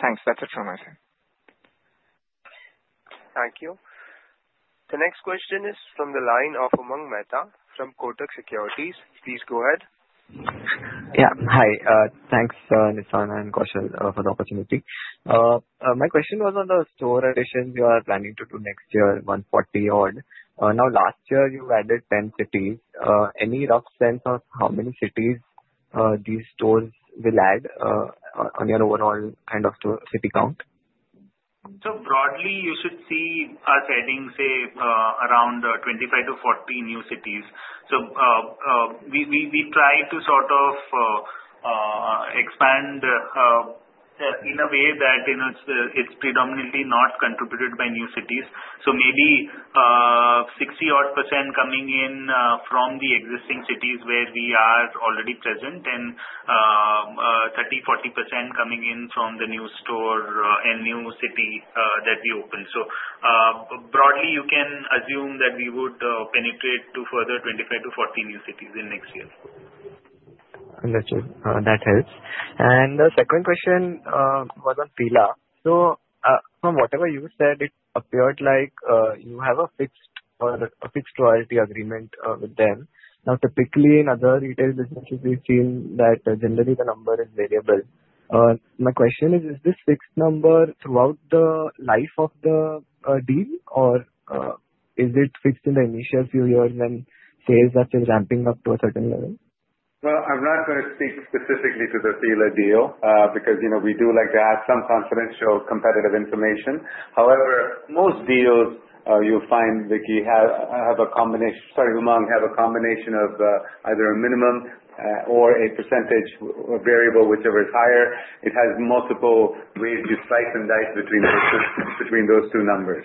Thanks. That's it from my side. Thank you. The next question is from the line of Umang Mehta from Kotak Securities. Please go ahead. Hi. Thanks, Nissan and Kaushal for the opportunity. My question was on the store addition you are planning to do next year, 140 odd. Last year you added 10 cities. Any rough sense of how many cities these stores will add on your overall kind of city count? Broadly, you should see us adding, say around 25 to 40 new cities. We try to sort of expand in a way that it's predominantly not contributed by new cities. Maybe 60 odd % coming in from the existing cities where we are already present and 30, 40% coming in from the new store and new city that we open. Broadly, you can assume that we would penetrate to further 25 to 40 new cities in next year. Understood. That helps. The second question was on Fila. From whatever you said, it appeared like you have a fixed royalty agreement with them. Typically, in other retail businesses, we feel that generally the number is variable. My question is this fixed number throughout the life of the deal, or is it fixed in the initial few years, then scales as you're ramping up to a certain level? Well, I'm not going to speak specifically to the Fila deal, because we do like to have some confidential competitive information. However, most deals, you'll find, Umang, have a combination of either a minimum or a percentage variable, whichever is higher. It has multiple ways you slice and dice between those two numbers.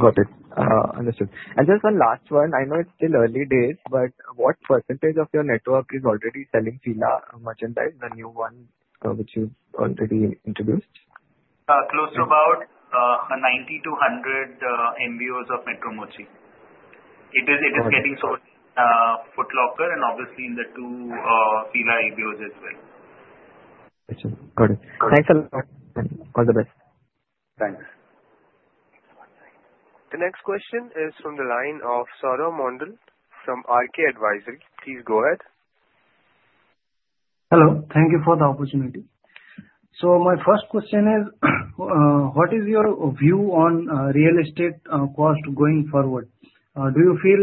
Got it. Understood. Just one last one. I know it's still early days, but what percentage of your network is already selling Fila merchandise, the new one, which you've already introduced? Close to about 90 MBOs-100 MBOs of Metro Mochi. It is getting sold in Foot Locker and obviously in the two Fila EBOs as well. Got it. Thanks a lot. All the best. Thanks. The next question is from the line of Saurav Mondal from RK Advisory. Please go ahead. Hello. Thank you for the opportunity. My first question is what is your view on real estate cost going forward? Do you feel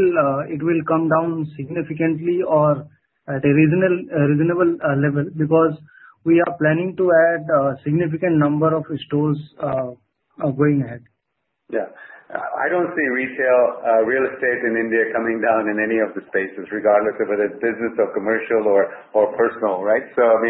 it will come down significantly or at a reasonable level? Because we are planning to add a significant number of stores going ahead. Yeah. I don't see real estate in India coming down in any of the spaces, regardless of whether it's business or commercial or personal, right? In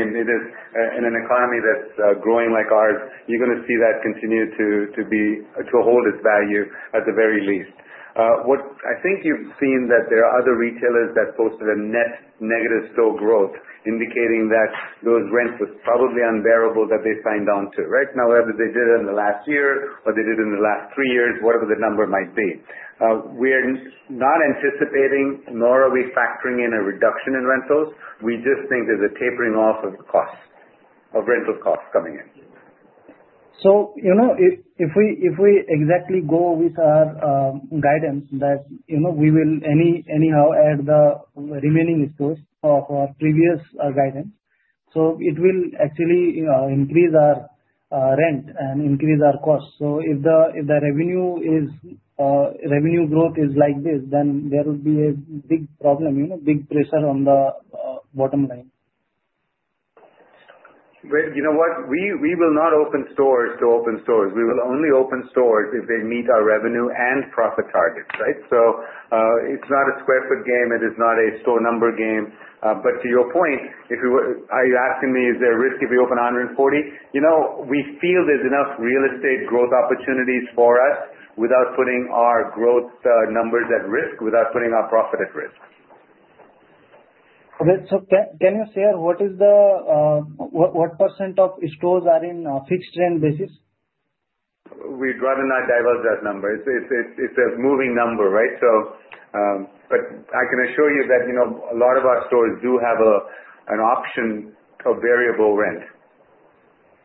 an economy that's growing like ours, you're going to see that continue to hold its value at the very least. I think you've seen that there are other retailers that posted a net negative store growth, indicating that those rents were probably unbearable that they signed on to. Right now, whether they did it in the last year, or they did it in the last three years, whatever the number might be. We're not anticipating, nor are we factoring in a reduction in rentals. We just think there's a tapering off of rental costs coming in. If we exactly go with our guidance that we will anyhow add the remaining stores of our previous guidance. It will actually increase our rent and increase our costs. If the revenue growth is like this, then there will be a big problem, big pressure on the bottom line. You know what? We will not open stores to open stores. We will only open stores if they meet our revenue and profit targets, right? It's not a square foot game. It is not a store number game. To your point, are you asking me, is there a risk if we open 140? We feel there's enough real estate growth opportunities for us without putting our growth numbers at risk, without putting our profit at risk. Great. Can you share what % of stores are in fixed rent basis? We'd rather not divulge that number. It's a moving number, right? I can assure you that a lot of our stores do have an option of variable rent.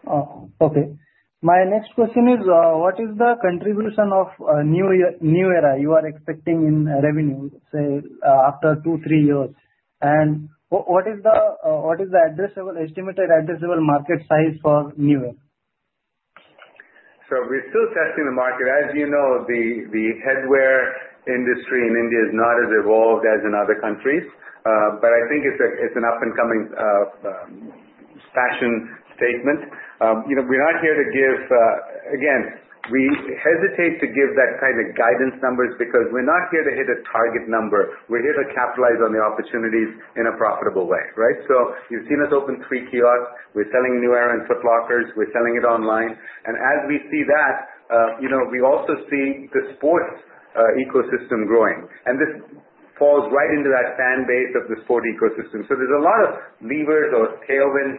Oh, okay. My next question is, what is the contribution of New Era you are expecting in revenue, say, after two, three years? What is the estimated addressable market size for New Era? We're still testing the market. As you know, the headwear industry in India is not as evolved as in other countries. I think it's an up-and-coming fashion statement. Again, we hesitate to give that kind of guidance numbers because we're not here to hit a target number. We're here to capitalize on the opportunities in a profitable way, right? You've seen us open three kiosks. We're selling New Era in Foot Locker. We're selling it online. As we see that, we also see the sports ecosystem growing, and this falls right into that fan base of the sport ecosystem. There's a lot of levers or tailwinds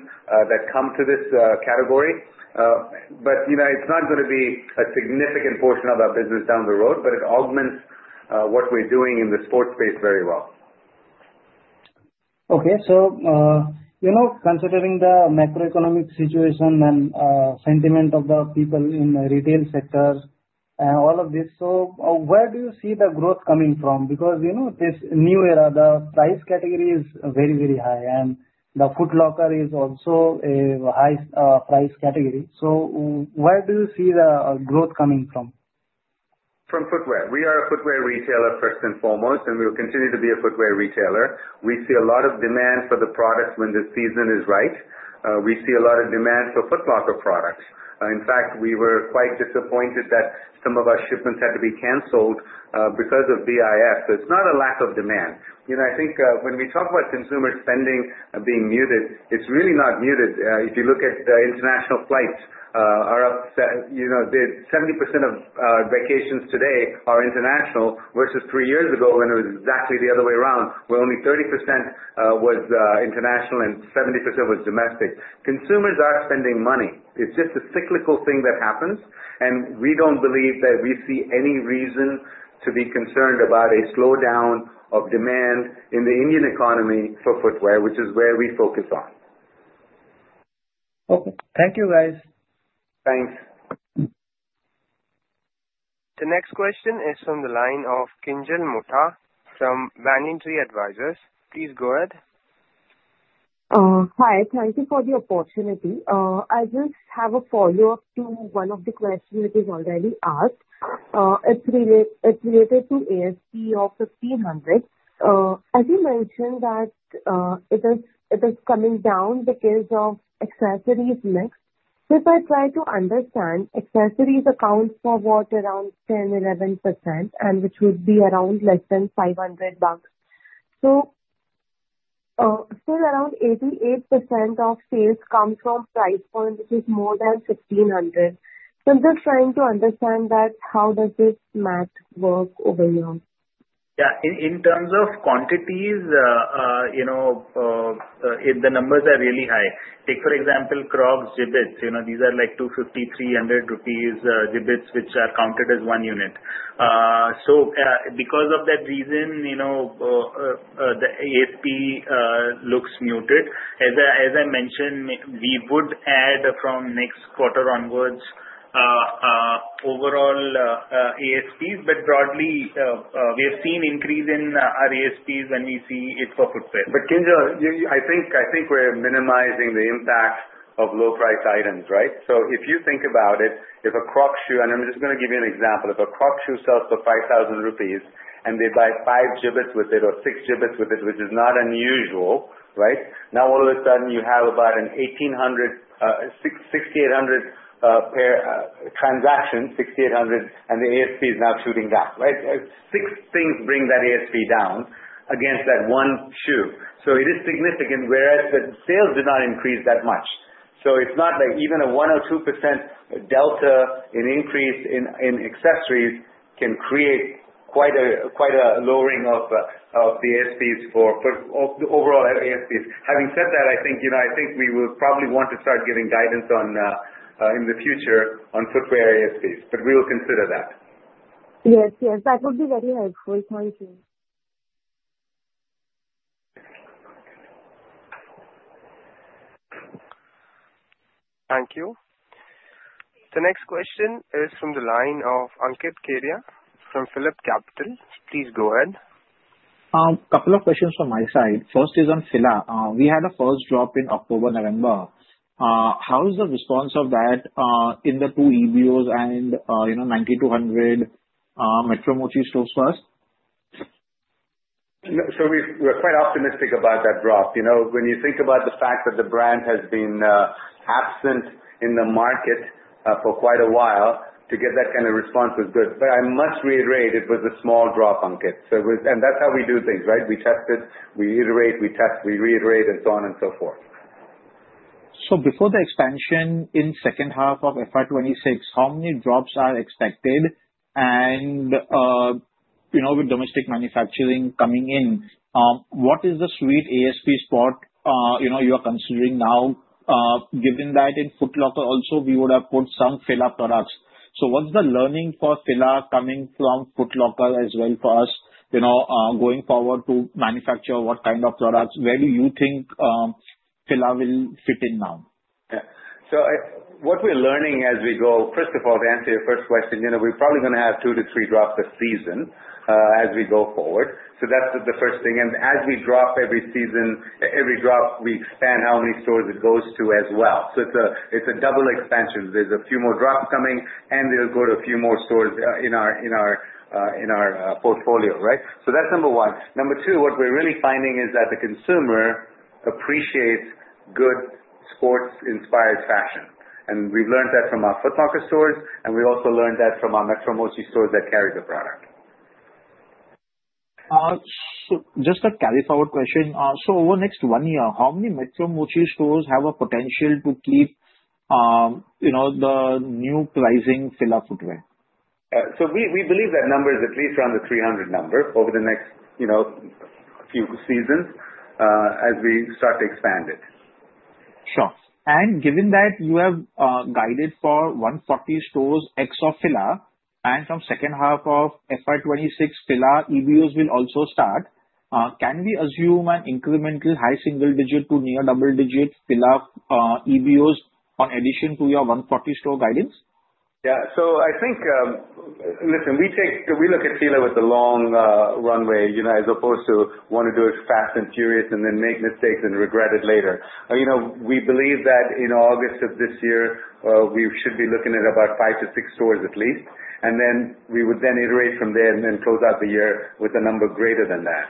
that come to this category. It's not going to be a significant portion of our business down the road, but it augments what we're doing in the sports space very well. Okay. Considering the macroeconomic situation and sentiment of the people in the retail sector and all of this, where do you see the growth coming from? This New Era, the price category is very, very high, and the Foot Locker is also a high price category. Where do you see the growth coming from? From footwear. We are a footwear retailer first and foremost, we'll continue to be a footwear retailer. We see a lot of demand for the products when the season is right. We see a lot of demand for Foot Locker products. In fact, we were quite disappointed that some of our shipments had to be canceled because of BIS. It's not a lack of demand. I think when we talk about consumer spending being muted, it's really not muted. If you look at the international flights are up. 70% of vacations today are international, versus three years ago, when it was exactly the other way around, where only 30% was international and 70% was domestic. Consumers are spending money. It's just a cyclical thing that happens. We don't believe that we see any reason to be concerned about a slowdown of demand in the Indian economy for footwear, which is where we focus on. Okay. Thank you, guys. Thanks. The next question is from the line of Kinjal Motha from VanEck Advisors. Please go ahead. Hi. Thank you for the opportunity. I just have a follow-up to one of the questions that was already asked. It's related to ASP of 1,500. As you mentioned that it is coming down because of accessories mix. If I try to understand, accessories account for what? Around 10%, 11%, which would be around less than INR 500. Still around 88% of sales come from price point, which is more than 1,500. I'm just trying to understand that how does this math work overall? In terms of quantities, the numbers are really high. Take for example, Crocs Jibbitz. These are like 250, 300 rupees Jibbitz, which are counted as one unit. Because of that reason, the ASP looks muted. As I mentioned, we would add from next quarter onwards, overall ASPs. Broadly, we have seen increase in our ASPs and we see it for footwear. Kinjal, I think we're minimizing the impact of low price items, right? If you think about it, if a Crocs shoe, and I'm just going to give you an example, if a Crocs shoe sells for 5,000 rupees and they buy five Jibbitz with it or six Jibbitz with it, which is not unusual, right? Now, all of a sudden you have about an 1,800, 6,800 pair transaction, 6,800 and the ASP is now shooting down, right? Six things bring that ASP down against that one shoe. It is significant whereas the sales did not increase that much. It's not like even a 1% or 2% delta in increase in accessories can create quite a lowering of the ASPs for overall ASPs. Having said that, I think we will probably want to start giving guidance in the future on footwear ASPs, we will consider that. Yes, that would be very helpful. Thank you. Thank you. The next question is from the line of Ankit Kedia from PhillipCapital. Please go ahead. A couple of questions from my side. First is on Fila. We had a first drop in October, November. How is the response of that in the two EBOs and 9,200 Metro, Mochi stores first? We're quite optimistic about that drop. When you think about the fact that the brand has been absent in the market for quite a while, to get that kind of response was good. I must reiterate, it was a small drop, Ankit. That's how we do things, right? We test it, we iterate, we test, we reiterate, and so on and so forth. Before the expansion in second half of FY 2026, how many drops are expected? With domestic manufacturing coming in, what is the sweet ASP spot you are considering now, given that in Foot Locker also we would have put some Fila products. What's the learning for Fila coming from Foot Locker as well for us, going forward to manufacture what kind of products? Where do you think Fila will fit in now? Yeah. What we're learning as we go, first of all, to answer your first question, we're probably going to have 2-3 drops a season as we go forward. That's the first thing. As we drop every season, every drop we expand how many stores it goes to as well. It's a double expansion. There's a few more drops coming and they'll go to a few more stores in our portfolio, right? That's number 1. Number 2, what we're really finding is that the consumer appreciates good sports-inspired fashion. We learned that from our Foot Locker stores, and we also learned that from our Metro, Mochi stores that carry the product. Just a carry forward question. Over next one year, how many Metro, Mochi stores have a potential to keep the new pricing Fila footwear? We believe that number is at least around the 300 number over the next few seasons, as we start to expand it. Sure. Given that you have guided for 140 stores ex of Fila, and from second half of FY 2026, Fila EBOs will also start. Can we assume an incremental high single digit to near double digit Fila EBOs on addition to your 140-store guidance? Yeah. I think, listen, we look at Fila with a long runway, as opposed to want to do it fast and furious and then make mistakes and regret it later. We believe that in August of this year, we should be looking at about five to six stores at least, and then we would then iterate from there and then close out the year with a number greater than that.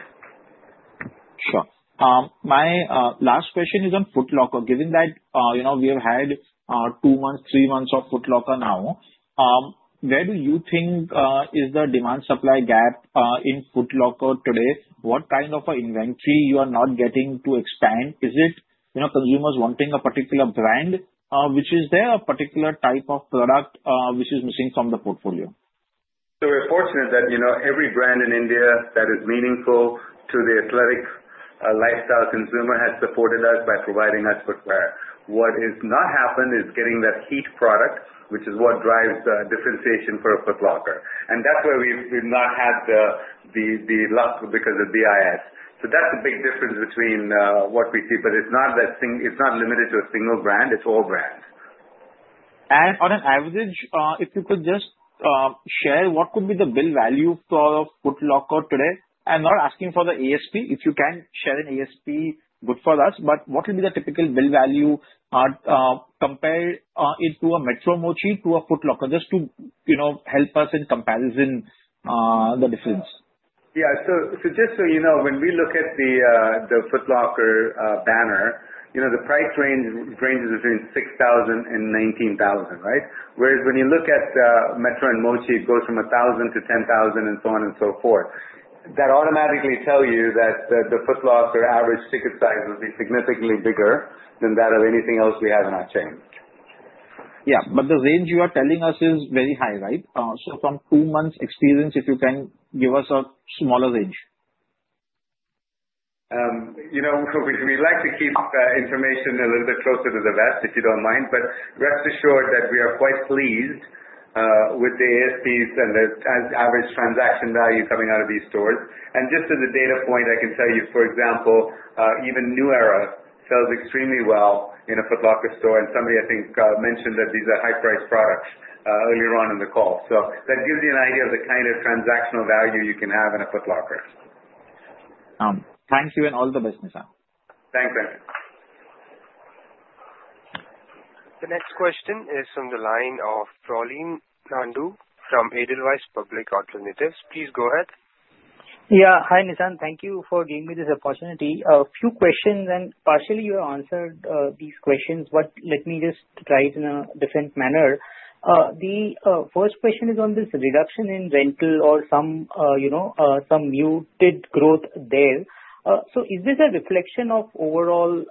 Sure. My last question is on Foot Locker. Given that we have had two months, three months of Foot Locker now, where do you think is the demand supply gap in Foot Locker today? What kind of inventory you are not getting to expand? Is it consumers wanting a particular brand, which is there, a particular type of product which is missing from the portfolio? We're fortunate that every brand in India that is meaningful to the athletic lifestyle consumer has supported us by providing us footwear. What has not happened is getting that heat product, which is what drives differentiation for a Foot Locker. That's where we've not had the luck because of BIS. That's a big difference between what we see. It's not limited to a single brand, it's all brands. On an average, if you could just share what could be the bill value for Foot Locker today. I'm not asking for the ASP. If you can share an ASP, good for us, what will be the typical bill value compared into a Metro Mochi to a Foot Locker, just to help us in comparison the difference. Yeah. Just so you know, when we look at the Foot Locker banner, the price ranges between 6,000 and 19,000, right? Whereas when you look at Metro and Mochi, it goes from 1,000 to 10,000 and so on and so forth. That automatically tell you that the Foot Locker average ticket size will be significantly bigger than that of anything else we have in our chain. Yeah, the range you are telling us is very high, right? From two months experience, if you can give us a smaller range. We'd like to keep the information a little bit closer to the vest, if you don't mind. Rest assured that we are quite pleased with the ASPs and the average transaction value coming out of these stores. Just as a data point, I can tell you, for example, even New Era sells extremely well in a Foot Locker store. Somebody, I think, mentioned that these are high-priced products earlier on in the call. That gives you an idea of the kind of transactional value you can have in a Foot Locker. Thank you, all the best, Nissan. Thanks, Ankit. The next question is from the line of Pralin Nandu from Edelweiss Public Alternatives. Please go ahead. Yeah. Hi, Nissan. Thank you for giving me this opportunity. A few questions, partially you answered these questions, but let me just try it in a different manner. The first question is on this reduction in rental or some muted growth there. Is this a reflection of overall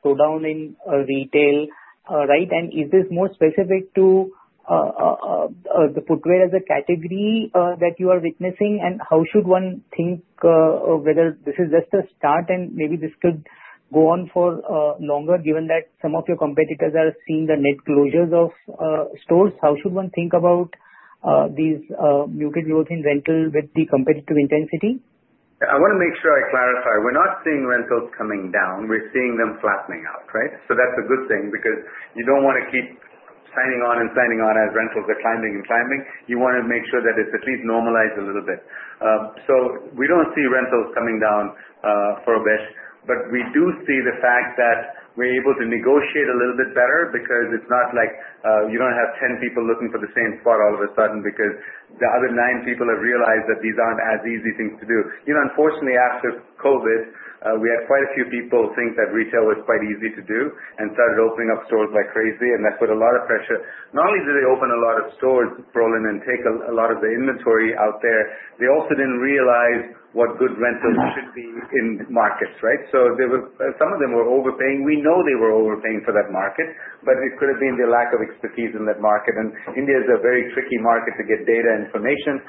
slowdown in retail, right? Is this more specific to the footwear as a category that you are witnessing, and how should one think whether this is just a start and maybe this could go on for longer, given that some of your competitors are seeing the net closures of stores? How should one think about these muted growth in rental with the competitive intensity? I want to make sure I clarify. We're not seeing rentals coming down. We're seeing them flattening out, right? That's a good thing because you don't want to keep signing on and signing on as rentals are climbing and climbing. You want to make sure that it's at least normalized a little bit. We don't see rentals coming down for a bit, but we do see the fact that we're able to negotiate a little bit better because it's not like you're going to have 10 people looking for the same spot all of a sudden because the other nine people have realized that these aren't as easy things to do. Unfortunately, after COVID, we had quite a few people think that retail was quite easy to do and started opening up stores like crazy, and that put a lot of pressure. Not only do they open a lot of stores, Pralin, take a lot of the inventory out there, they also didn't realize what good rentals should be in markets, right? Some of them were overpaying. We know they were overpaying for that market, but it could have been their lack of expertise in that market. India is a very tricky market to get data information.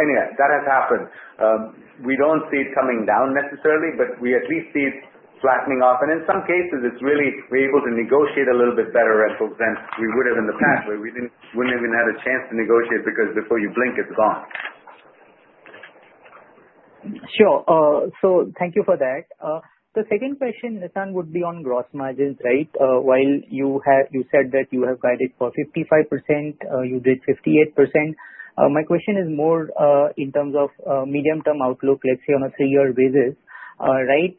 Anyhow, that has happened. We don't see it coming down necessarily, but we at least see it flattening off. In some cases, it's really we're able to negotiate a little bit better rentals than we would have in the past, where we wouldn't even had a chance to negotiate because before you blink, it's gone. Thank you for that. The second question, Nissan, would be on gross margins, right? While you said that you have guided for 55%, you did 58%. My question is more in terms of medium-term outlook, let's say on a three-year basis, right?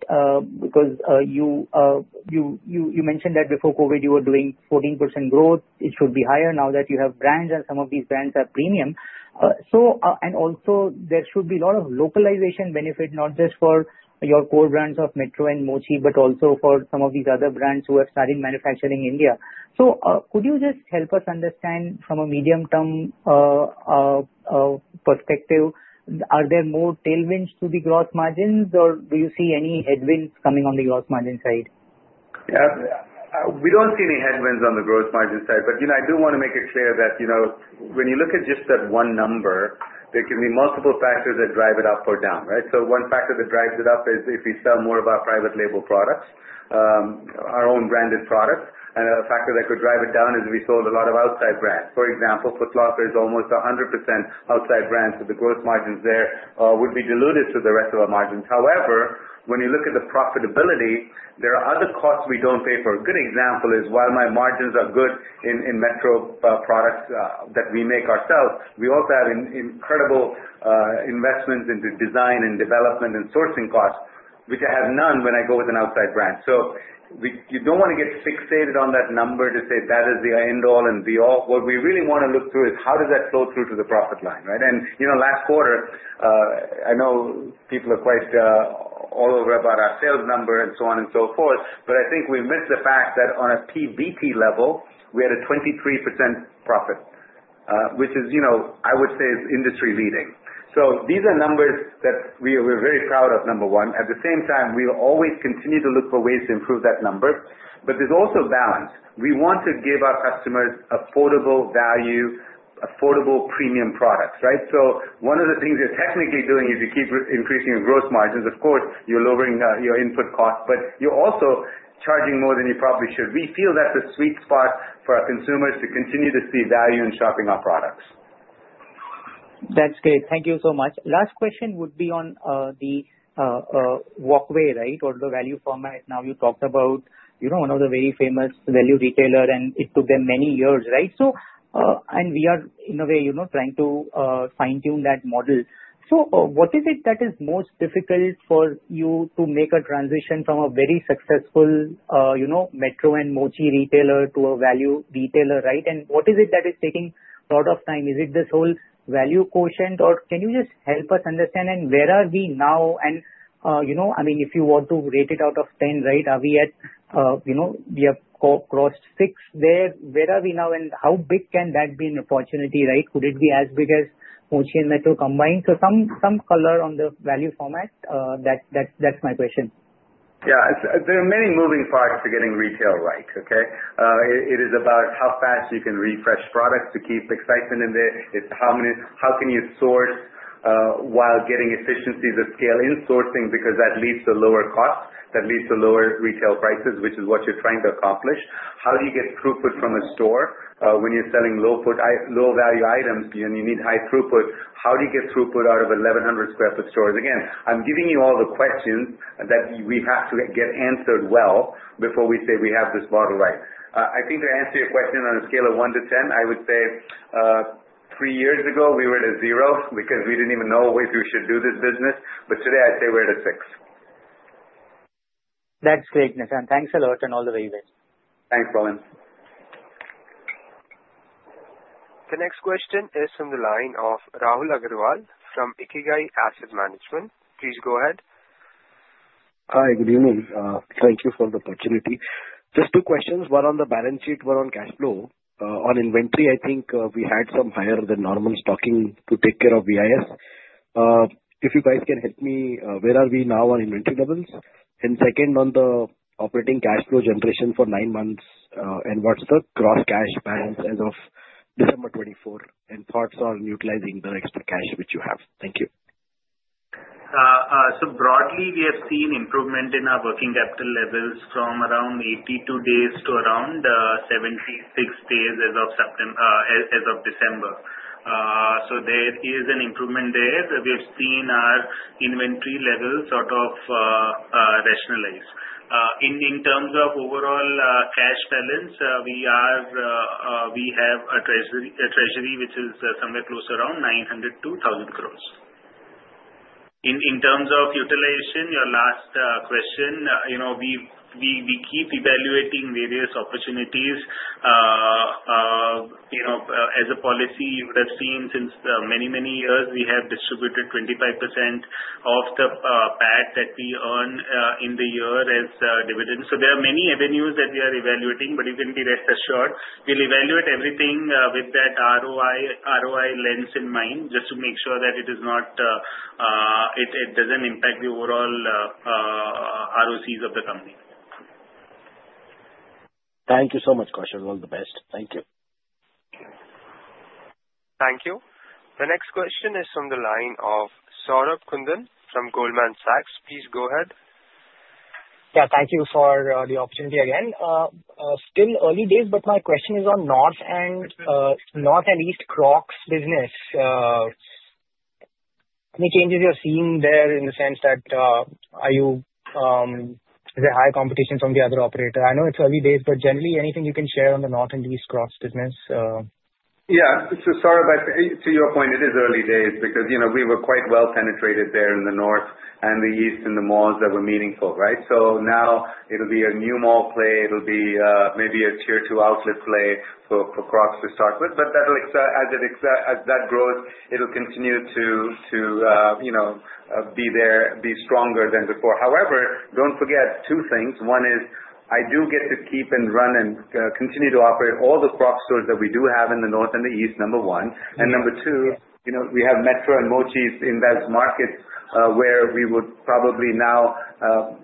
Because you mentioned that before COVID you were doing 14% growth. It should be higher now that you have brands and some of these brands are premium. Also, there should be a lot of localization benefit, not just for your core brands of Metro and Mochi, but also for some of these other brands who are starting manufacturing in India. Could you just help us understand from a medium-term perspective, are there more tailwinds to the gross margins, or do you see any headwinds coming on the gross margin side? Yeah. We don't see any headwinds on the gross margin side. I do want to make it clear that when you look at just that one number, there can be multiple factors that drive it up or down, right? One factor that drives it up is if we sell more of our private label products, our own branded products. A factor that could drive it down is we sold a lot of outside brands. For example, Foot Locker is almost 100% outside brands, so the gross margins there would be diluted to the rest of our margins. However, when you look at the profitability, there are other costs we don't pay for. A good example is while my margins are good in Metro products that we make ourselves, we also have incredible investments into design and development and sourcing costs, which I have none when I go with an outside brand. You don't want to get fixated on that number to say that is the end all and be all. What we really want to look through is how does that flow through to the profit line, right? Last quarter, I know people are quite all over about our sales number and so on and so forth, but I think we missed the fact that on a PBT level, we had a 23% profit, which is, I would say, is industry leading. These are numbers that we're very proud of, number one. At the same time, we will always continue to look for ways to improve that number. There's also balance. We want to give our customers affordable value, affordable premium products, right? One of the things you're technically doing is you keep increasing your gross margins. Of course, you're lowering your input cost, but you're also charging more than you probably should. We feel that's a sweet spot for our consumers to continue to see value in shopping our products. That's great. Thank you so much. Last question would be on the Walkway, or the value format. You talked about one of the very famous value retailer, and it took them many years. We are, in a way, trying to fine-tune that model. What is it that is most difficult for you to make a transition from a very successful Metro and Mochi retailer to a value retailer? What is it that is taking a lot of time? Is it this whole value quotient, or can you just help us understand? Where are we now? If you were to rate it out of 10, we have crossed six there. Where are we now, and how big can that be an opportunity? Could it be as big as Mochi and Metro combined? Some color on the value format. That's my question. Yeah. There are many moving parts to getting retail right, okay? It is about how fast you can refresh products to keep excitement in there. It's how can you source while getting efficiencies of scale in sourcing, because that leads to lower costs, that leads to lower retail prices, which is what you're trying to accomplish. How do you get throughput from a store when you're selling low-value items and you need high throughput? How do you get throughput out of 1,100 square foot stores? Again, I'm giving you all the questions that we have to get answered well before we say we have this model right. I think to answer your question, on a scale of one to 10, I would say three years ago we were at a zero because we didn't even know if we should do this business. Today, I'd say we're at a six. That's great, Nissan. Thanks a lot and all the very best. Thanks, Pralin. The next question is from the line of Rahul Agarwal from Ikigai Asset Management. Please go ahead. Hi, good evening. Thank you for the opportunity. Just two questions. One on the balance sheet, one on cash flow. On inventory, I think we had some higher than normal stocking to take care of BIS. If you guys can help me, where are we now on inventory levels? Second, on the operating cash flow generation for nine months, what's the gross cash balance as of December 2024, and thoughts on utilizing the extra cash which you have. Thank you. Broadly, we have seen improvement in our working capital levels from around 82 days to around 76 days as of December. There is an improvement there. We have seen our inventory levels sort of rationalize. In terms of overall cash balance, we have a treasury which is somewhere close around 900 crores to 1,000 crores. In terms of utilization, your last question, we keep evaluating various opportunities. As a policy, you would have seen since many, many years, we have distributed 25% of the PAT that we earn in the year as dividends. There are many avenues that we are evaluating, but you can be rest assured we'll evaluate everything with that ROI lens in mind, just to make sure that it doesn't impact the overall ROCEs of the company. Thank you so much, Kaushal. All the best. Thank you. Thank you. The next question is from the line of Saurabh Kundu from Goldman Sachs. Please go ahead. Yeah. Thank you for the opportunity again. Still early days, but my question is on North and East Crocs business. Any changes you're seeing there in the sense that, is there high competition from the other operator? I know it's early days, but generally, anything you can share on the North and East Crocs business? Yeah. Saurabh, to your point, it is early days because we were quite well penetrated there in the North and the East and the malls that were meaningful. Now it'll be a new mall play. It'll be maybe a tier 2 outlet play for Crocs to start with. But as that grows, it'll continue to be there, be stronger than before. However, don't forget two things. One is I do get to keep and run and continue to operate all the Crocs stores that we do have in the North and the East, number 1. Number 2, we have Metro and Mochis in those markets, where we would probably now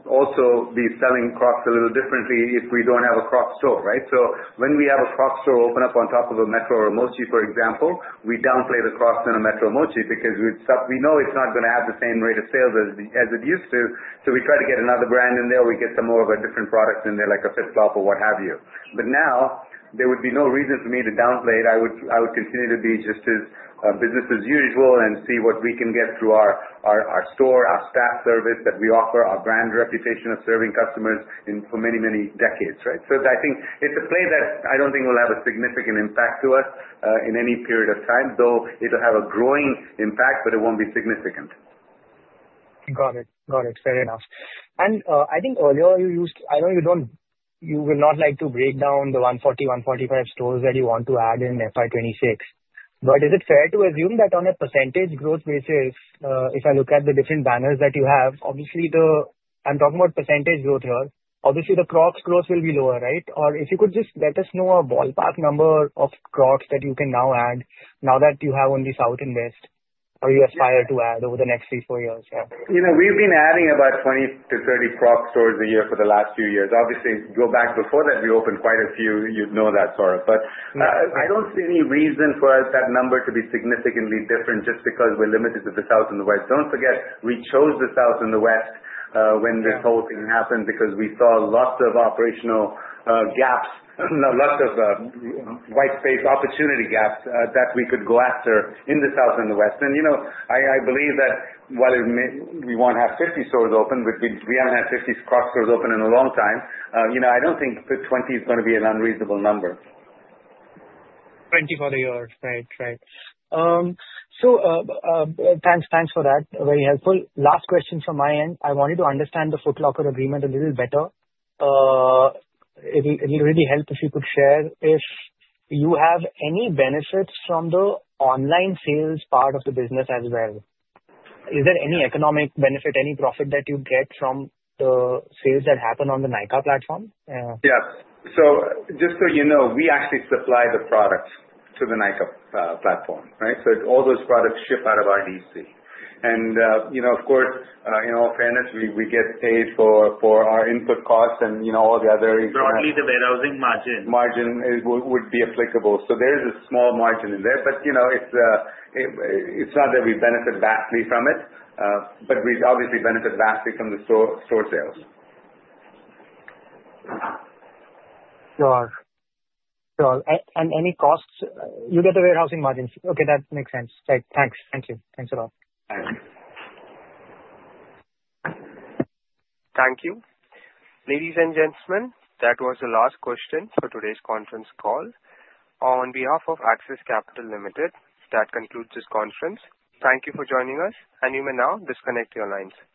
also be selling Crocs a little differently if we don't have a Crocs store. When we have a Crocs store open up on top of a Metro or a Mochi, for example, we downplay the Crocs in a Metro or Mochi because we know it's not going to have the same rate of sales as it used to. We try to get another brand in there. We get some more of a different product in there, like a flip-flop or what have you. Now there would be no reason for me to downplay it. I would continue to be just as business as usual and see what we can get through our store, our staff service that we offer, our brand reputation of serving customers for many, many decades. I think it's a play that I don't think will have a significant impact to us in any period of time, though it'll have a growing impact, but it won't be significant. Got it. Fair enough. I think earlier, I know you will not like to break down the 140, 145 stores that you want to add in FY 2026. Is it fair to assume that on a % growth basis, if I look at the different banners that you have, obviously I'm talking about % growth here. Obviously, the Crocs growth will be lower, right? Or if you could just let us know a ballpark number of Crocs that you can now add, now that you have only South and West, or you aspire to add over the next three, four years. We've been adding about 20 to 30 Crocs stores a year for the last few years. Obviously, if you go back before that, we opened quite a few. You'd know that, Saurabh. I don't see any reason for that number to be significantly different just because we're limited to the South and the West. Don't forget, we chose the South and the West when this whole thing happened because we saw lots of operational gaps, lots of white space opportunity gaps that we could go after in the South and the West. I believe that while we won't have 50 stores open, because we haven't had 50 Crocs stores open in a long time, I don't think 20 is going to be an unreasonable number. 20 for a year. Right. Thanks for that. Very helpful. Last question from my end. I wanted to understand the Foot Locker agreement a little better. It'll really help if you could share if you have any benefits from the online sales part of the business as well. Is there any economic benefit, any profit that you get from the sales that happen on the Nykaa platform? Yes. Just so you know, we actually supply the products to the Nykaa platform. All those products ship out of our DC. Of course, in all fairness, we get paid for our input costs and all the other- Broadly, the warehousing margin. Margin would be applicable. There is a small margin in there. It's not that we benefit vastly from it. We obviously benefit vastly from the store sales. Sure. Any costs, you get the warehousing margins. Okay, that makes sense. Great. Thanks a lot. Thank you. Ladies and gentlemen, that was the last question for today's conference call. On behalf of Axis Capital Limited, that concludes this conference. Thank you for joining us. You may now disconnect your lines. Thank you.